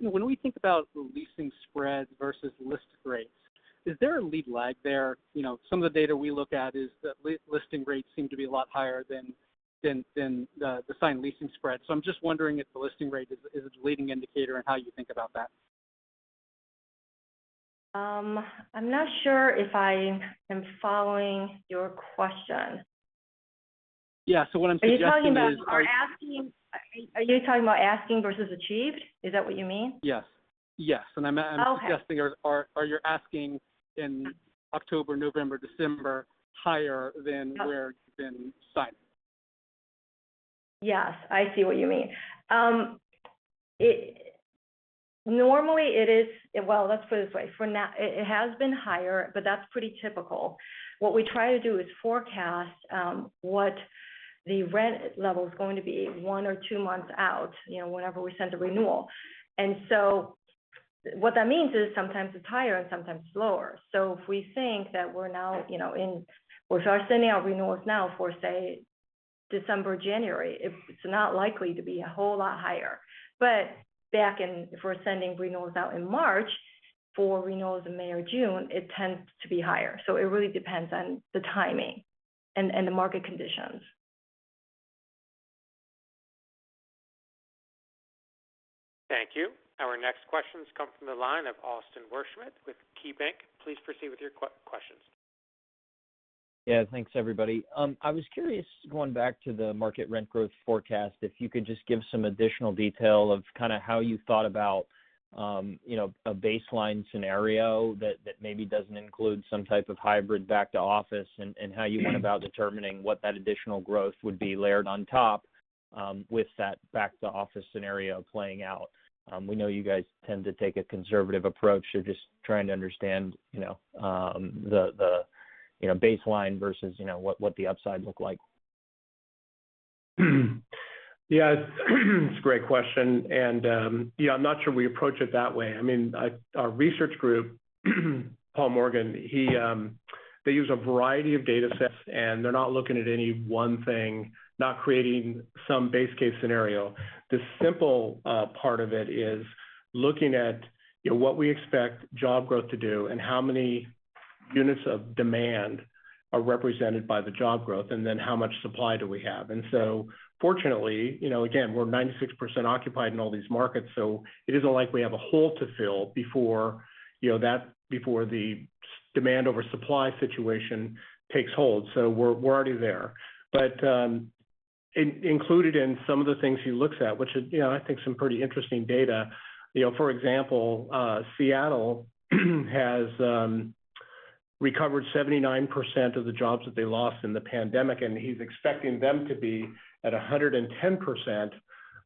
When we think about leasing spreads versus list rates, is there a lead lag there? You know, some of the data we look at is the listing rates seem to be a lot higher than the signed leasing spread. So I'm just wondering if the listing rate is a leading indicator and how you think about that. I'm not sure if I am following your question. Yeah. What I'm suggesting is. Are you talking about asking versus achieved? Is that what you mean? Yes. Okay. Suggesting, are your asking in October, November, December higher than where it's been signed? Yes, I see what you mean. Well, let's put it this way. For now, it has been higher, but that's pretty typical. What we try to do is forecast what the rent level is going to be one or two months out, you know, whenever we send a renewal. What that means is sometimes it's higher and sometimes lower. If we think that we're now, you know, if we start sending out renewals now for, say, December, January, it's not likely to be a whole lot higher. Back in, if we're sending renewals out in March for renewals in May or June, it tends to be higher. It really depends on the timing and the market conditions. Thank you. Our next question comes from the line of Austin Wurschmidt with KeyBanc. Please proceed with your question. Yeah, thanks, everybody. I was curious, going back to the market rent growth forecast, if you could just give some additional detail of kind of how you thought about, you know, a baseline scenario that maybe doesn't include some type of hybrid back to office and how you went about determining what that additional growth would be layered on top, with that back to office scenario playing out. We know you guys tend to take a conservative approach. Just trying to understand, you know, the baseline versus, you know, what the upside look like. Yeah, it's a great question. Yeah, I'm not sure we approach it that way. I mean, our research group, Paul Morgan, he, they use a variety of datasets, and they're not looking at any one thing, not creating some base case scenario. The simple part of it is looking at, you know, what we expect job growth to do and how many units of demand are represented by the job growth, and then how much supply do we have. Fortunately, you know, again, we're 96% occupied in all these markets, so it isn't like we have a hole to fill before, you know, that before the demand over supply situation takes hold. We're already there. Included in some of the things he looks at, which is, you know, I think some pretty interesting data. You know, for example, Seattle has recovered 79% of the jobs that they lost in the pandemic, and he's expecting them to be at 110%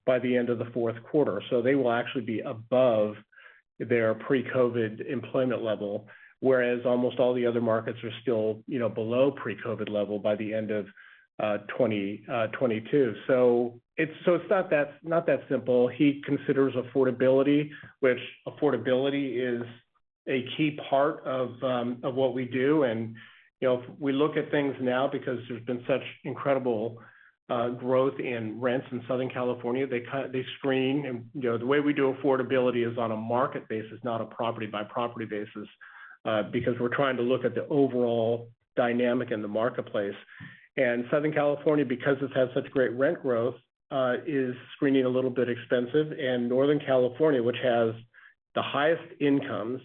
by the end of the Q4. They will actually be above their pre-COVID employment level, whereas almost all the other markets are still, you know, below pre-COVID level by the end of 2022. It's not that, not that simple. He considers affordability, which affordability is a key part of what we do. You know, if we look at things now because there's been such incredible growth in rents in Southern California, they screen and, you know, the way we do affordability is on a market basis, not a property-by-property basis, because we're trying to look at the overall dynamic in the marketplace. Southern California, because it's had such great rent growth, is screening a little bit expensive. Northern California, which has the highest incomes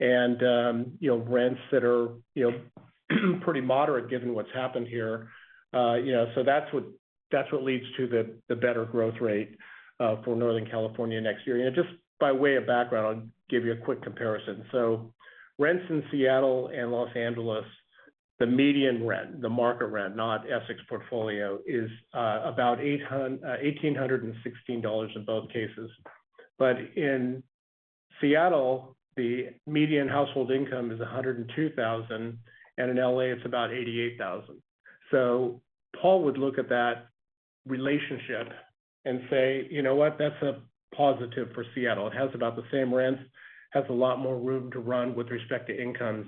and, you know, rents that are pretty moderate given what's happened here. You know, so that's what leads to the better growth rate for Northern California next year. You know, just by way of background, I'll give you a quick comparison. Rents in Seattle and Los Angeles, the median rent, the market rent, not Essex portfolio, is about $1,816 in both cases. But in Seattle, the median household income is $102,000, and in L.A. it's about $88,000. Paul would look at that relationship and say, you know what? That's a positive for Seattle. It has about the same rents, has a lot more room to run with respect to incomes,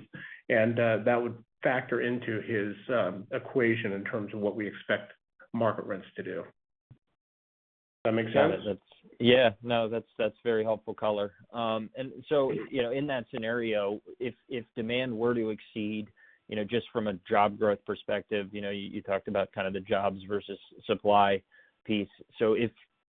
and that would factor into his equation in terms of what we expect market rents to do. Does that make sense? Got it. That's. Yeah. No, that's very helpful color. You know, in that scenario, if demand were to exceed, you know, just from a job growth perspective, you talked about kind of the jobs versus supply piece. If,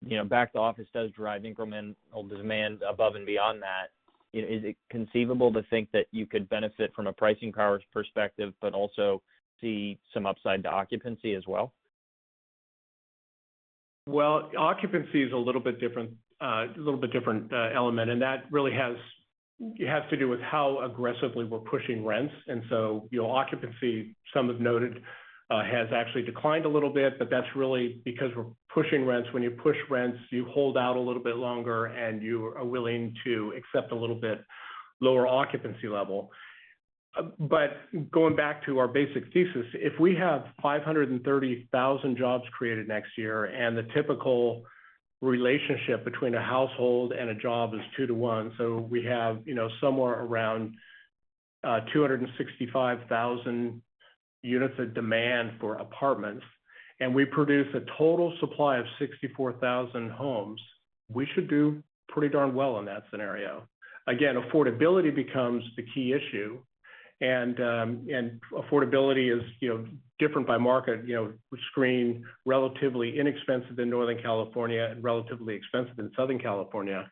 you know, back to office does drive incremental demand above and beyond that, you know, is it conceivable to think that you could benefit from a pricing powers perspective but also see some upside to occupancy as well? Well, occupancy is a little bit different element, and that really has to do with how aggressively we're pushing rents. You know, occupancy, some have noted, has actually declined a little bit, but that's really because we're pushing rents. When you push rents, you hold out a little bit longer, and you are willing to accept a little bit lower occupancy level. Going back to our basic thesis, if we have 530,000 jobs created next year, and the typical relationship between a household and a job is 2 to 1, so we have, you know, somewhere around 265,000 units of demand for apartments, and we produce a total supply of 64,000 homes, we should do pretty darn well in that scenario. Again, affordability becomes the key issue, and affordability is, you know, different by market. You know, we screen relatively inexpensive in Northern California and relatively expensive in Southern California.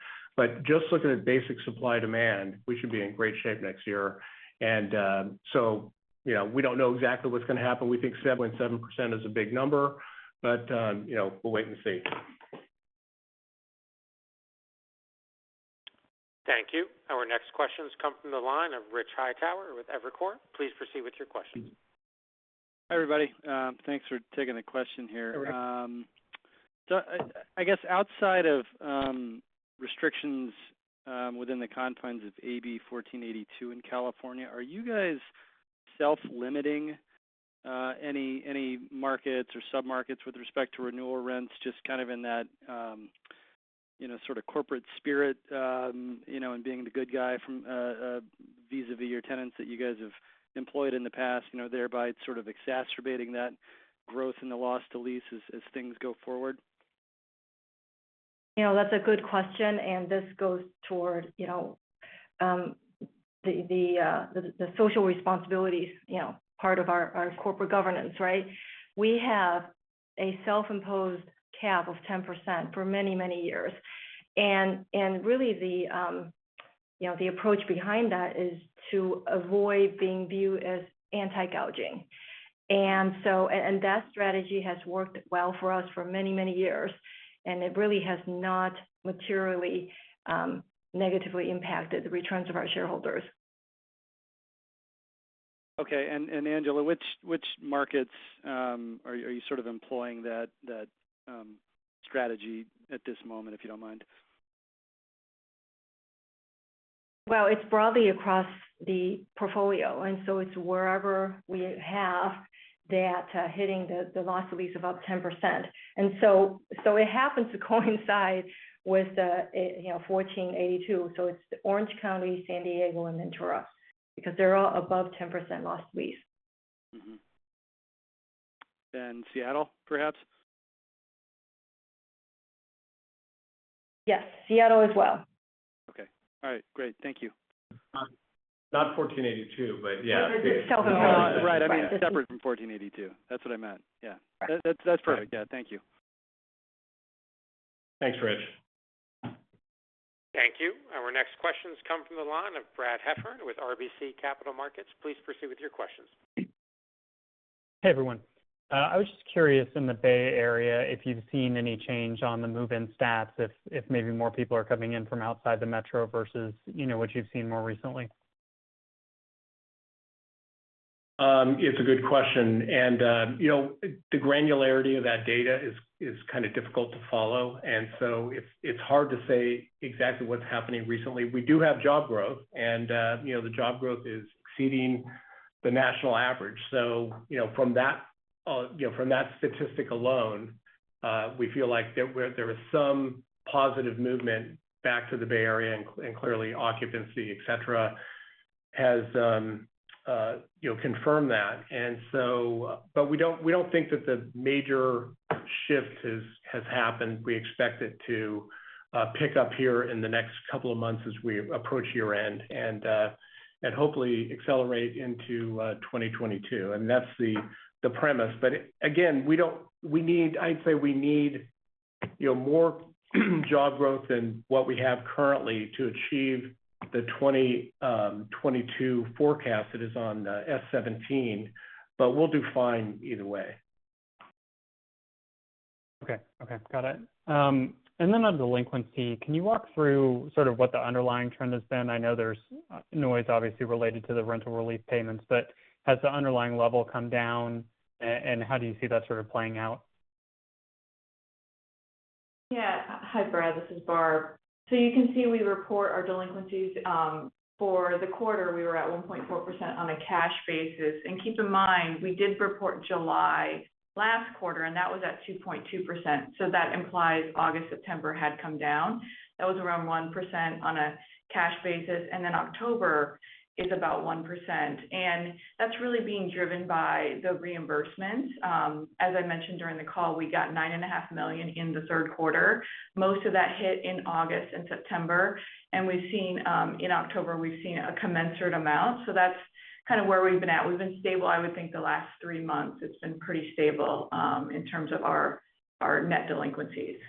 Just looking at basic supply-demand, we should be in great shape next year. You know, we don't know exactly what's going to happen. We think 7.7% is a big number, but, you know, we'll wait and see. Thank you. Our next questions come from the line of Rich Hightower with Evercore. Please proceed with your questions. Hi, everybody. Thanks for taking the question here. Hi, Rich. I guess outside of restrictions within the confines of AB 1482 in California, are you guys self-limiting any markets or submarkets with respect to renewal rents just kind of in that, you know, sort of corporate spirit, you know, and being the good guy from vis-a-vis your tenants that you guys have employed in the past, you know, thereby sort of exacerbating that growth in the loss to lease as things go forward? You know, that's a good question, and this goes toward, you know, the social responsibilities, you know, part of our corporate governance, right? We have a self-imposed cap of 10% for many years. Really, the approach behind that is to avoid being viewed as anti-gouging. That strategy has worked well for us for many years, and it really has not materially negatively impacted the returns of our shareholders. Okay. Angela, which markets are you sort of employing that strategy at this moment, if you don't mind? Well, it's broadly across the portfolio, and so it's wherever we have that hitting the loss to lease above 10%. It happens to coincide with AB 1482. It's Orange County, San Diego and Ventura, because they're all above 10% loss to lease. Seattle, perhaps? Yes. Seattle as well. Okay. All right. Great. Thank you. Not 1482, but yeah. It's still. 10%. Right. I mean, separate from 1482. That's what I meant. Yeah. Right. That, that's perfect. Yeah. Thank you. Thanks, Rich. Thank you. Our next questions come from the line of Brad Heffern with RBC Capital Markets. Please proceed with your questions. Hey, everyone. I was just curious, in the Bay Area, if you've seen any change on the move-in stats, if maybe more people are coming in from outside the metro versus, you know, what you've seen more recently? It's a good question. You know, the granularity of that data is kind of difficult to follow. It's hard to say exactly what's happening recently. We do have job growth and you know, the job growth is exceeding the national average. You know, from that, you know, from that statistic alone, we feel like there was some positive movement back to the Bay Area and clearly occupancy, et cetera, has confirmed that. But we don't think that the major shift has happened. We expect it to pick up here in the next couple of months as we approach year-end, and hopefully accelerate into 2022. That's the premise. I'd say we need you know, more job growth than what we have currently to achieve the 2022 forecast that is on S-17. We'll do fine either way. Okay. Got it. On delinquency, can you walk through sort of what the underlying trend has been? I know there's noise obviously related to the rental relief payments, but has the underlying level come down and how do you see that sort of playing out? Yeah. Hi, Brad, this is Barb. You can see we report our delinquencies for the quarter. We were at 1.4% on a cash basis. Keep in mind, we did report July last quarter, and that was at 2.2%. That implies August, September had come down. That was around 1% on a cash basis, and then October is about 1%. That's really being driven by the reimbursements. As I mentioned during the call, we got $9.5 million in the Q3. Most of that hit in August and September. We've seen in October, we've seen a commensurate amount. That's kind of where we've been at. We've been stable. I would think the last three months, it's been pretty stable in terms of our net delinquencies.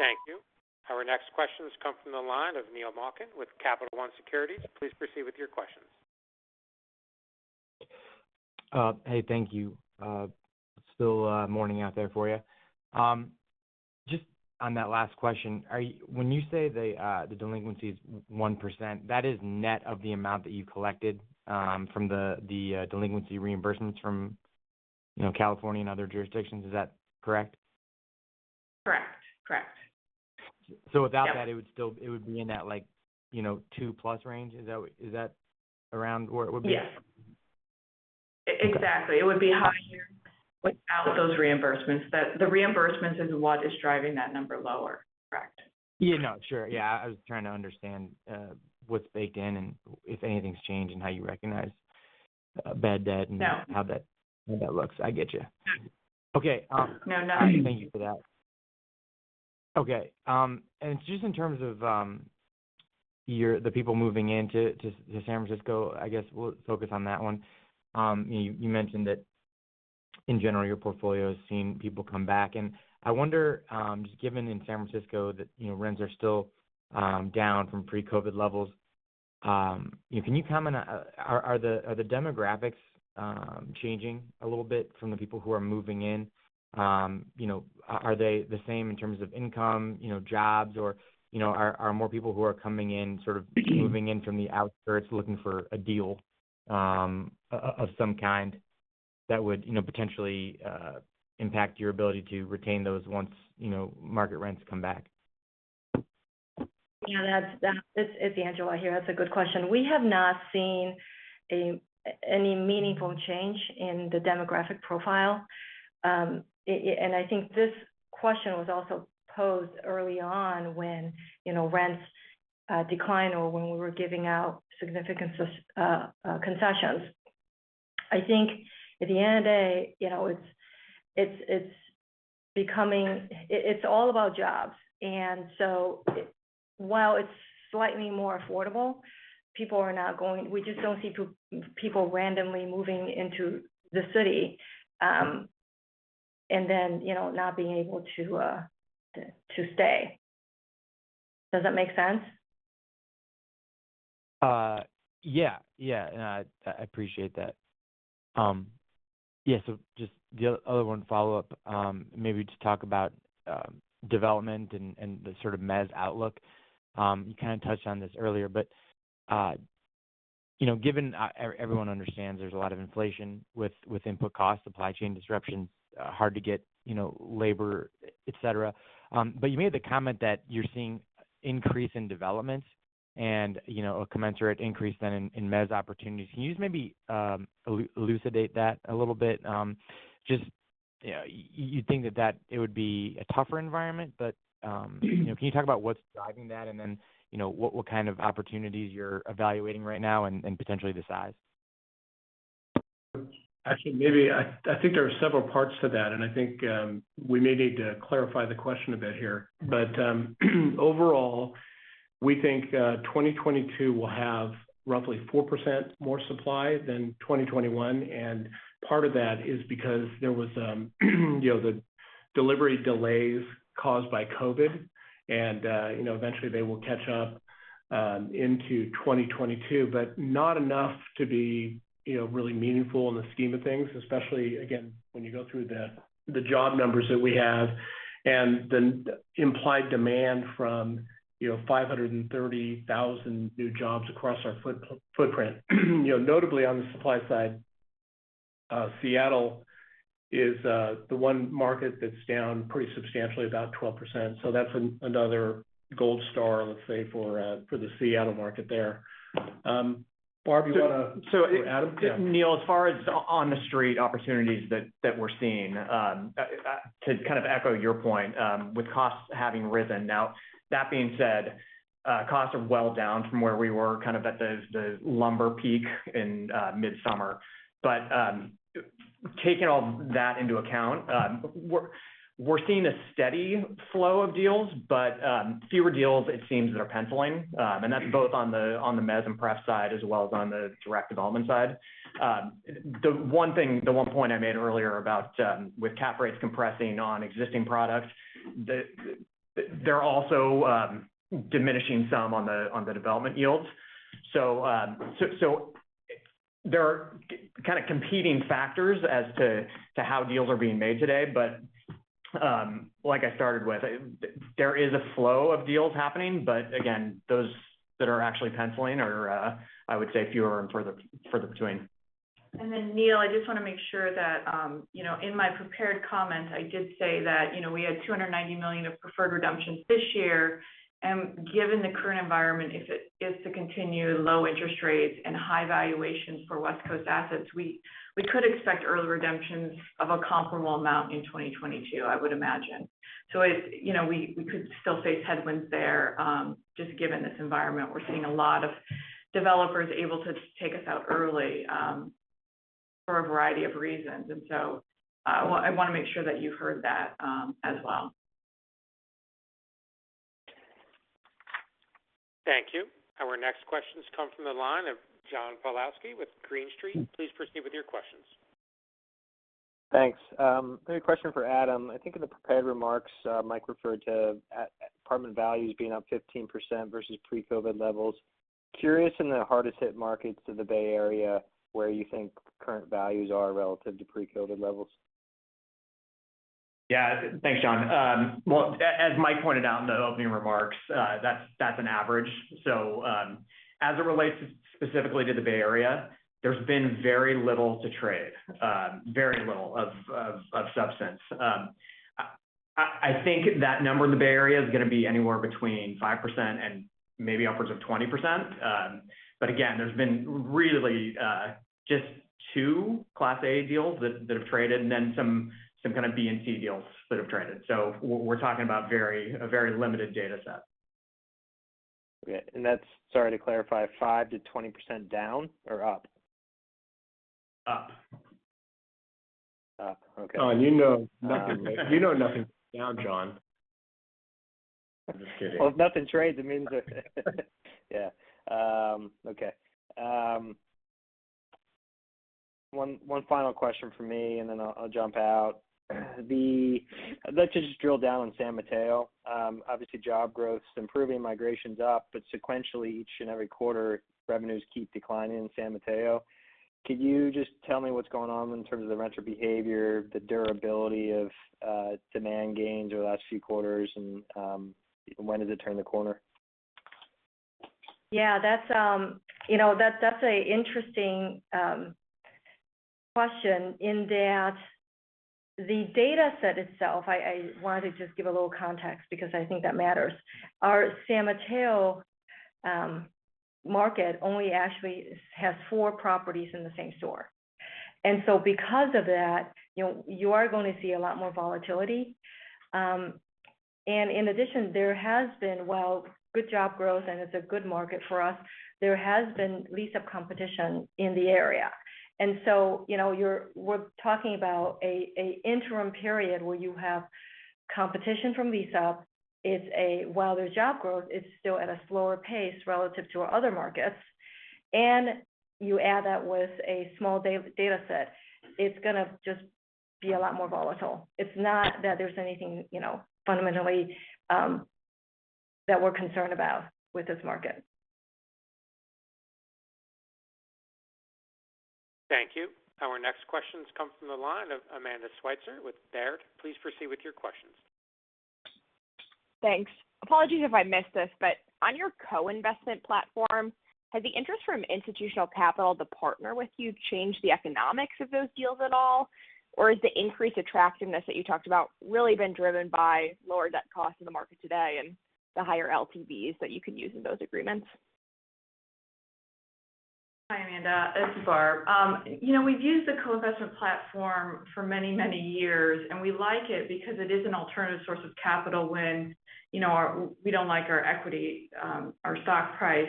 Thank you. Our next question comes from the line of Neil Malkin with Capital One Securities. Please proceed with your questions. Hey, thank you. Still morning out there for you. Just on that last question, when you say the delinquency is 1%, that is net of the amount that you collected from the delinquency reimbursements from, you know, California and other jurisdictions. Is that correct? Correct. Without that. Yeah. It would still be in that, like, you know, 2+ range. Is that around where it would be? Yes. Exactly. Okay. It would be higher without those reimbursements. The reimbursements is what is driving that number lower. Correct. Yeah. No, sure. Yeah, I was trying to understand what's baked in and if anything's changed in how you recognize bad debt. No. How that looks. I get you. No. Okay. No, not at all. Thank you for that. Okay, and just in terms of the people moving into San Francisco, I guess we'll focus on that one. You mentioned that in general, your portfolio is seeing people come back. I wonder, just given in San Francisco that, you know, rents are still down from pre-COVID levels, can you comment, are the demographics changing a little bit from the people who are moving in? You know, are they the same in terms of income, you know, jobs or, you know, are more people who are coming in sort of moving in from the outskirts, looking for a deal of some kind that would, you know, potentially impact your ability to retain those once, you know, market rents come back? Yeah, that's. It's Angela here. That's a good question. We have not seen any meaningful change in the demographic profile. And I think this question was also posed early on when, you know, rents declined or when we were giving out significant concessions. I think at the end of the day, you know, it's becoming. It's all about jobs. While it's slightly more affordable, people are not going. We just don't see people randomly moving into the city, and then, you know, not being able to stay. Does that make sense? Yeah. I appreciate that. Yeah, so just the other one follow-up, maybe just talk about development and the sort of mezz outlook. You kind of touched on this earlier, but you know, given everyone understands there's a lot of inflation with input costs, supply chain disruptions, hard to get, you know, labor, et cetera. But you made the comment that you're seeing increase in developments and, you know, a commensurate increase then in mezz opportunities. Can you just maybe elucidate that a little bit? Just, you know, you think that it would be a tougher environment, but you know, can you talk about what's driving that and then, you know, what kind of opportunities you're evaluating right now and potentially the size? Actually, maybe I think there are several parts to that, and I think we may need to clarify the question a bit here. Overall, we think 2022 will have roughly 4% more supply than 2021. Part of that is because there was you know the delivery delays caused by COVID. You know eventually they will catch up into 2022, but not enough to be you know really meaningful in the scheme of things, especially again when you go through the job numbers that we have and the implied demand from you know 530,000 new jobs across our footprint. You know, notably on the supply side, Seattle is the one market that's down pretty substantially, about 12%. That's another gold star, let's say, for the Seattle market there. Barb, you want to? So. Adam? Yeah. Neil, as far as on the street opportunities that we're seeing, to kind of echo your point, with costs having risen. Now, that being said, costs are well down from where we were kind of at the lumber peak in mid-summer. Taking all that into account, we're seeing a steady flow of deals, but fewer deals it seems that are penciling. That's both on the mezz and pref side as well as on the direct development side. The one thing, the one point I made earlier about, with cap rates compressing on existing products, they're also diminishing some on the development yields. There are kind of competing factors as to how deals are being made today. Like I started with, there is a flow of deals happening, but again, those that are actually penciling are, I would say, fewer and further between. Neil, I just want to make sure that, you know, in my prepared comments, I did say that, you know, we had $290 million of preferred redemptions this year. Given the current environment, if it is to continue low interest rates and high valuations for West Coast assets, we could expect early redemptions of a comparable amount in 2022, I would imagine. It's, you know, we could still face headwinds there, just given this environment. We're seeing a lot of developers able to take us out early, for a variety of reasons. I want to make sure that you heard that, as well. Thank you. Our next questions come from the line of John Pawlowski with Green Street. Please proceed with your questions. Thanks. I have a question for Adam. I think in the prepared remarks, Mike referred to apartment values being up 15% versus pre-COVID levels. I'm curious in the hardest hit markets of the Bay Area, where you think current values are relative to pre-COVID levels. Yeah. Thanks, John. Well, as Mike pointed out in the opening remarks, that's an average. As it relates specifically to the Bay Area, there's been very little to trade, very little of substance. I think that number in the Bay Area is going to be anywhere between 5% and maybe upwards of 20%. But again, there's been really just two Class A deals that have traded and then some kind of B and C deals that have traded. We're talking about a very limited data set. Okay. Sorry, to clarify, 5%-20% down or up? Up. Okay. Oh, you know nothing, right? You know nothing now, John. I'm just kidding. Well, if nothing trades, it means that. Okay. One final question from me, and then I'll jump out. I'd like to just drill down on San Mateo. Obviously job growth is improving, migration is up, but sequentially, each and every quarter, revenues keep declining in San Mateo. Can you just tell me what's going on in terms of the renter behavior, the durability of demand gains over the last few quarters and when does it turn the corner? Yeah. That's you know an interesting question in that the data set itself. I wanted to just give a little context because I think that matters. Our San Mateo market only actually has four properties in the same store. Because of that, you know, you are going to see a lot more volatility. In addition, there has been, while good job growth and it's a good market for us, there has been lease-up competition in the area. So, you know, we're talking about an interim period where you have competition from lease-up. While there's job growth, it's still at a slower pace relative to our other markets. You add that with a small data set, it's going to just be a lot more volatile. It's not that there's anything, you know, fundamentally, that we're concerned about with this market. Thank you. Our next questions come from the line of Amanda Sweitzer with Baird. Please proceed with your questions. Thanks. Apologies if I missed this, but on your co-investment platform, has the interest from institutional capital to partner with you changed the economics of those deals at all? Or is the increased attractiveness that you talked about really been driven by lower debt costs in the market today and the higher LTVs that you can use in those agreements? Hi, Amanda. It's Barb. You know, we've used the co-investment platform for many, many years, and we like it because it is an alternative source of capital when you know we don't like our equity, our stock price.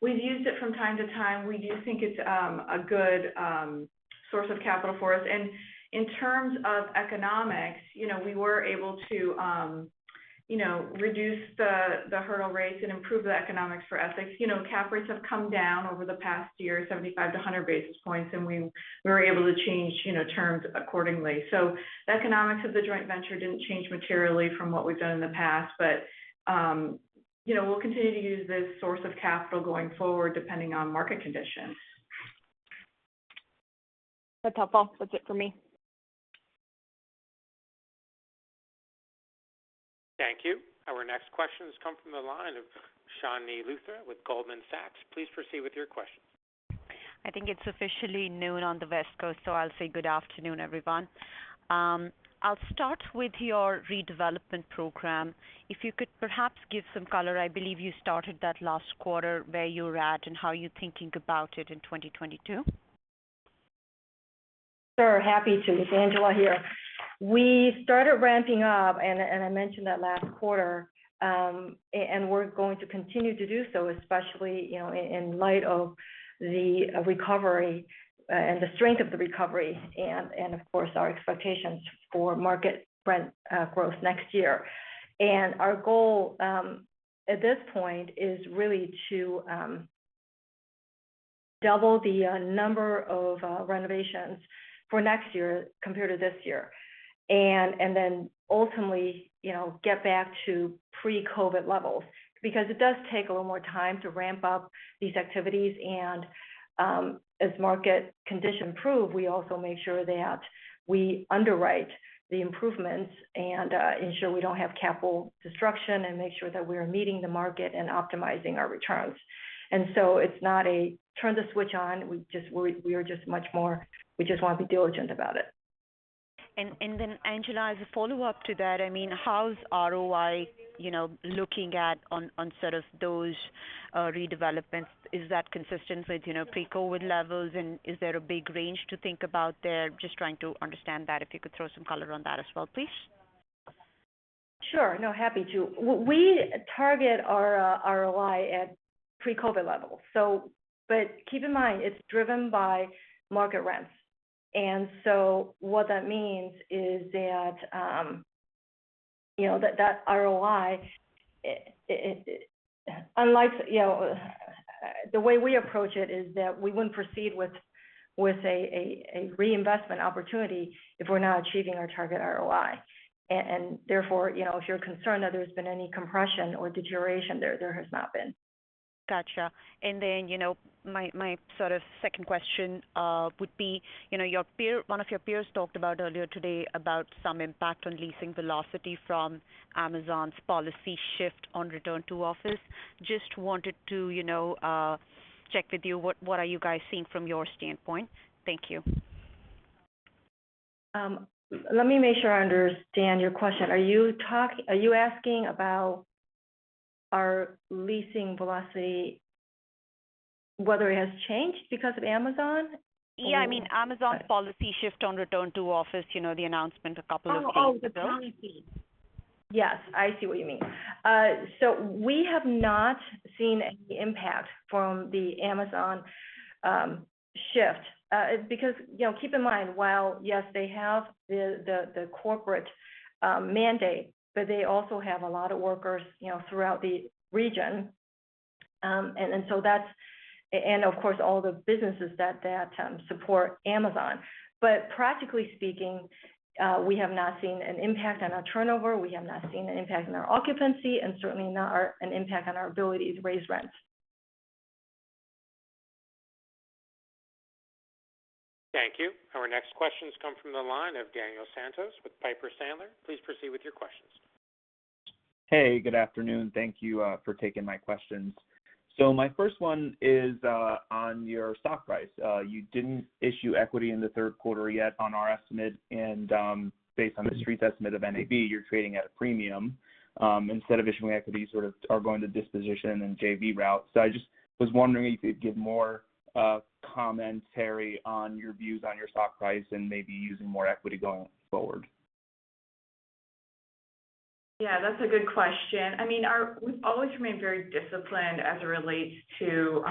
We've used it from time to time. We do think it's a good source of capital for us. In terms of economics, you know, we were able to, you know, reduce the hurdle rates and improve the economics for Essex. You know, cap rates have come down over the past year, 75-100 basis points, and we were able to change terms accordingly. The economics of the joint venture didn't change materially from what we've done in the past, but, you know, we'll continue to use this source of capital going forward, depending on market conditions. That's helpful. That's it for me. Thank you. Our next questions come from the line of Chandni Luthra with Goldman Sachs. Please proceed with your questions. I think it's officially noon on the West Coast, so I'll say good afternoon, everyone. I'll start with your redevelopment program. If you could perhaps give some color, I believe you started that last quarter, where you're at and how you're thinking about it in 2022? Sure. Happy to. It's Angela here. We started ramping up, and I mentioned that last quarter, and we're going to continue to do so, especially, you know, in light of the recovery, and the strength of the recovery and, of course, our expectations for market rent growth next year. Our goal at this point is really to double the number of renovations for next year compared to this year. Then ultimately, you know, get back to pre-COVID levels. Because it does take a little more time to ramp up these activities. As market conditions improve, we also make sure that we underwrite the improvements and ensure we don't have capital destruction and make sure that we are meeting the market and optimizing our returns. So it's not a turn the switch on. We just want to be diligent about it. Angela, as a follow-up to that, I mean, how's ROI, you know, looking at on sort of those redevelopments, is that consistent with, you know, pre-COVID levels? Is there a big range to think about there? Just trying to understand that, if you could throw some color on that as well, please. Sure. No, happy to. We target our ROI at pre-COVID levels. Keep in mind, it's driven by market rents. What that means is that, you know, that ROI, the way we approach it is that we wouldn't proceed with a reinvestment opportunity if we're not achieving our target ROI. Therefore, you know, if you're concerned that there's been any compression or deterioration there has not been. Gotcha. You know, my sort of second question would be, you know, one of your peers talked about earlier today about some impact on leasing velocity from Amazon's policy shift on return to office. Just wanted to, you know, check with you. What are you guys seeing from your standpoint? Thank you. Let me make sure I understand your question. Are you asking about our leasing velocity, whether it has changed because of Amazon? Yeah, I mean, Amazon's policy shift on return to office, you know, the announcement a couple of days ago. The policy. Yes, I see what you mean. So we have not seen any impact from the Amazon shift, because, you know, keep in mind while, yes, they have the corporate mandate, but they also have a lot of workers, you know, throughout the region. And so that's and of course, all the businesses that support Amazon. Practically speaking, we have not seen an impact on our turnover. We have not seen an impact on our occupancy and certainly not an impact on our ability to raise rents. Thank you. Our next question comes from the line of Daniel Santos with Piper Sandler. Please proceed with your questions. Hey, good afternoon. Thank you for taking my questions. My first one is on your stock price. You didn't issue equity in the Q3 yet on our estimate. Based on the Street's estimate of NAV, you're trading at a premium instead of issuing equity, sort of are going to disposition and JV route. I just was wondering if you could give more commentary on your views on your stock price and maybe using more equity going forward. Yeah, that's a good question. I mean, we've always remained very disciplined as it relates to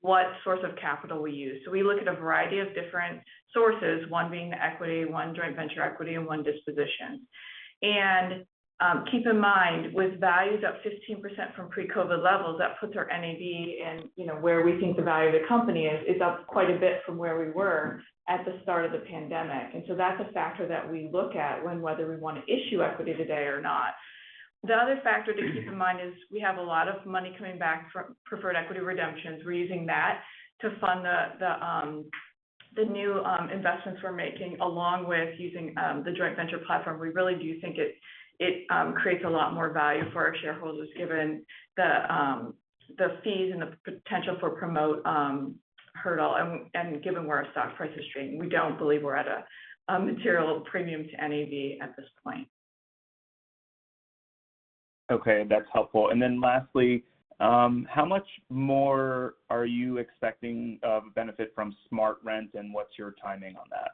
what source of capital we use. We look at a variety of different sources, one being the equity, one joint venture equity, and one disposition. Keep in mind, with values up 15% from pre-COVID levels, that puts our NAV and, you know, where we think the value of the company is up quite a bit from where we were at the start of the pandemic. That's a factor that we look at when, whether we want to issue equity today or not. The other factor to keep in mind is we have a lot of money coming back from preferred equity redemptions. We're using that to fund the new investments we're making, along with using the joint venture platform. We really do think it creates a lot more value for our shareholders, given the fees and the potential for promote hurdle and given where our stock price is trading. We don't believe we're at a material premium to NAV at this point. Okay, that's helpful. Lastly, how much more are you expecting benefit from SmartRent, and what's your timing on that?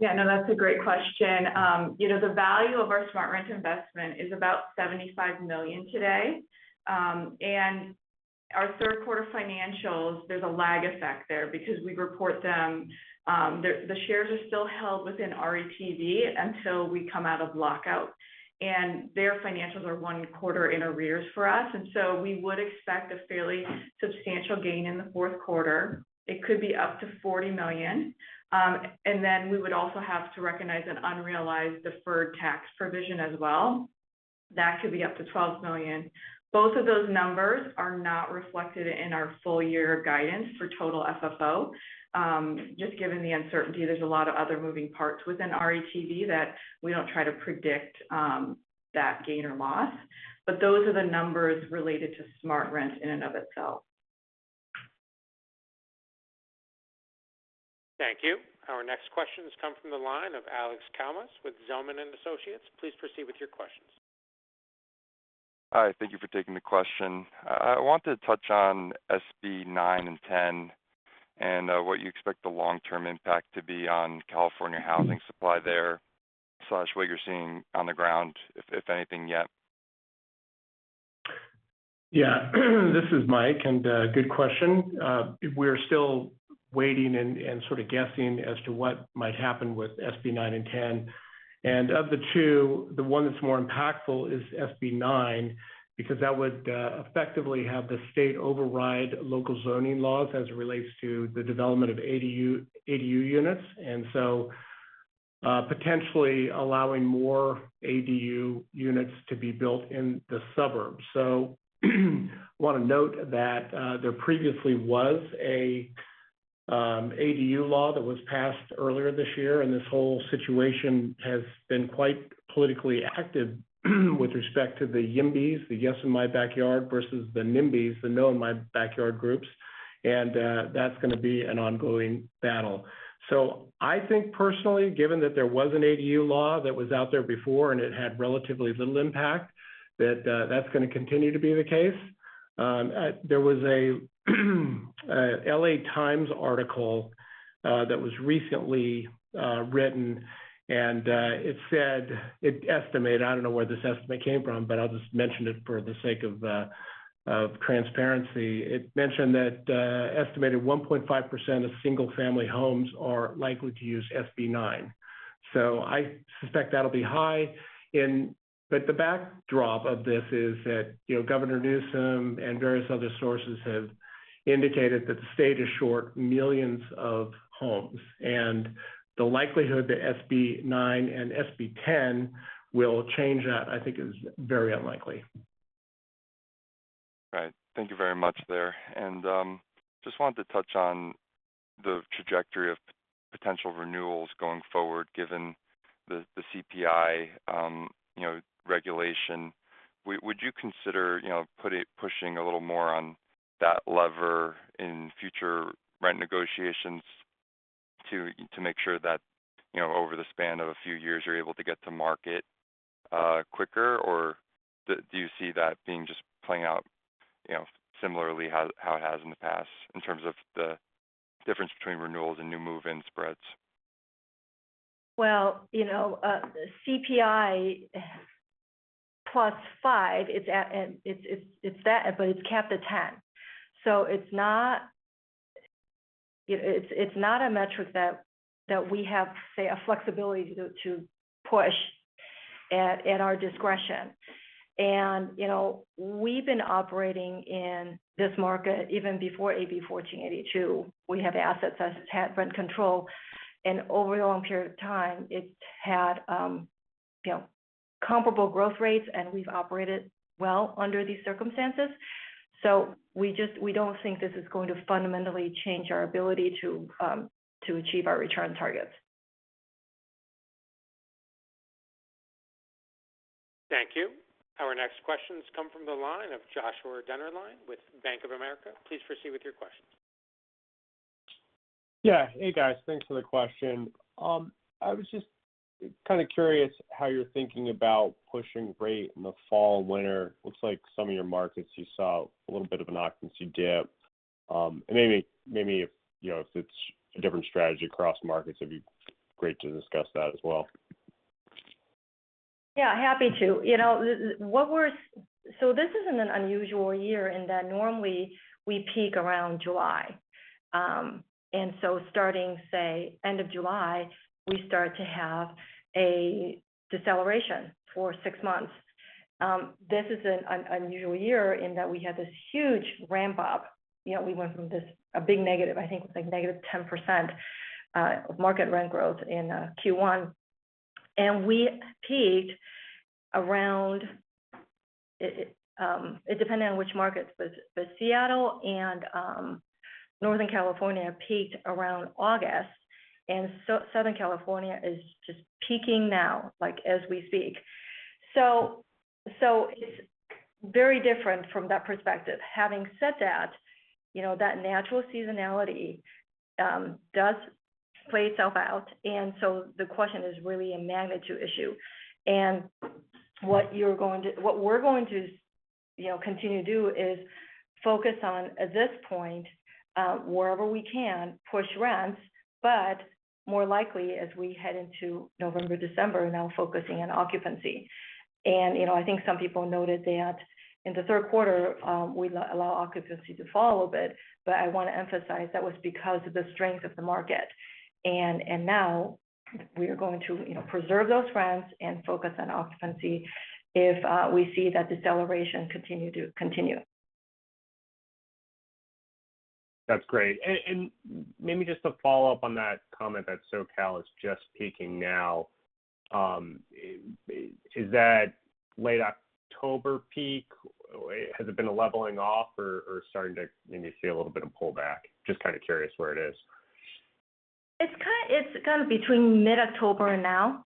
Yeah, and that's a great question. You know, the value of our SmartRent investment is about $75 million today. Our Q3 financials, there's a lag effect there because we report them, the shares are still held within RETV until we come out of lockout. Their financials are one quarter in arrears for us. We would expect a fairly substantial gain in the Q4. It could be up to $40 million. We would also have to recognize an unrealized deferred tax provision as well. That could be up to $12 million. Both of those numbers are not reflected in our full year guidance for total FFO. Just given the uncertainty, there's a lot of other moving parts within RETV that we don't try to predict, that gain or loss. Those are the numbers related to SmartRent in and of itself. Thank you. Our next question comes from the line of Alexander Kalmus with Zelman & Associates. Please proceed with your questions. Hi, thank you for taking the question. I want to touch on SB 9 and 10 and what you expect the long-term impact to be on California housing supply there, what you're seeing on the ground, if anything yet. Yeah. This is Mike, and good question. We're still waiting and sort of guessing as to what might happen with SB 9 and 10. Of the two, the one that's more impactful is SB 9, because that would effectively have the state override local zoning laws as it relates to the development of ADU units, potentially allowing more ADU units to be built in the suburbs. I want to note that there previously was a ADU law that was passed earlier this year, and this whole situation has been quite politically active with respect to the YIMBYs, the Yes In My Backyard, versus the NIMBYs, the No In My Backyard groups. That's going to be an ongoing battle. I think personally, given that there was an ADU law that was out there before and it had relatively little impact, that's going to continue to be the case. There was a L.A. Times article that was recently written, and it said it estimated. I don't know where this estimate came from, but I'll just mention it for the sake of transparency. It mentioned that estimated 1.5% of single family homes are likely to use SB 9. I suspect that'll be high in. But the backdrop of this is that, you know, Governor Newsom and various other sources have indicated that the state is short millions of homes. The likelihood that SB 9 and SB 10 will change that, I think is very unlikely. Right. Thank you very much there. Just wanted to touch on the trajectory of potential renewals going forward, given the CPI, you know, regulation. Would you consider, you know, pushing a little more on that lever in future rent negotiations to make sure that, you know, over the span of a few years, you're able to get to market quicker? Or do you see that being just playing out, you know, similarly how it has in the past in terms of the difference between renewals and new move-in spreads? Well, you know, CPI + 5 is at. It's that, but it's capped at 10. It's not a metric that we have, say, a flexibility to push at our discretion. You know, we've been operating in this market even before AB 1482. We have assets that have had rent control, and over a long period of time it had, you know, comparable growth rates, and we've operated well under these circumstances. We just don't think this is going to fundamentally change our ability to achieve our return targets. Thank you. Our next questions come from the line of Joshua Dennerlein with Bank of America. Please proceed with your questions. Yeah. Hey, guys. Thanks for the question. I was just kind of curious how you're thinking about pushing rate in the fall, winter. Looks like some of your markets, you saw a little bit of an occupancy dip. Maybe if, you know, if it's a different strategy across markets, it'd be great to discuss that as well. Yeah, happy to. You know, so this isn't an unusual year in that normally we peak around July. Starting, say, end of July, we start to have a deceleration for six months. This is an unusual year in that we had this huge ramp up. You know, we went from this, a big negative, I think it was like negative 10% of market rent growth in Q1. We peaked around, it depended on which markets, but Seattle and Northern California peaked around August, and Southern California is just peaking now, like, as we speak. So it's very different from that perspective. Having said that, you know, that natural seasonality does play itself out, and so the question is really a magnitude issue. What we're going to, you know, continue to do is focus on, at this point, wherever we can, push rents, but more likely, as we head into November, December, now focusing on occupancy. You know, I think some people noted that in the Q3, we allowed occupancy to fall a little bit, but I want to emphasize that was because of the strength of the market. Now we are going to, you know, preserve those rents and focus on occupancy if we see that deceleration continue. That's great. Maybe just to follow up on that comment that SoCal is just peaking now, is that late October peak, has it been a leveling off or starting to maybe see a little bit of pullback? Just kind of curious where it is. It's kind of between mid-October and now,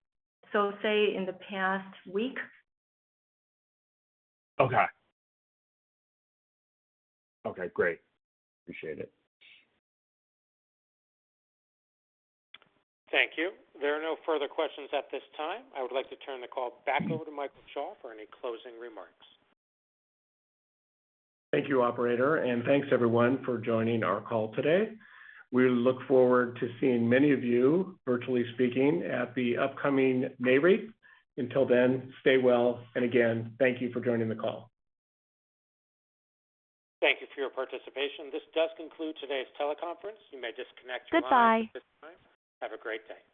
so say in the past week. Okay. Okay, great. Appreciate it. Thank you. There are no further questions at this time. I would like to turn the call back over to Michael Schall for any closing remarks. Thank you, operator, and thanks everyone for joining our call today. We look forward to seeing many of you virtually speaking at the upcoming NAREIT. Until then, stay well, and again, thank you for joining the call. Thank you for your participation. This does conclude today's teleconference. You may disconnect your lines at this time. Goodbye. Have a great day.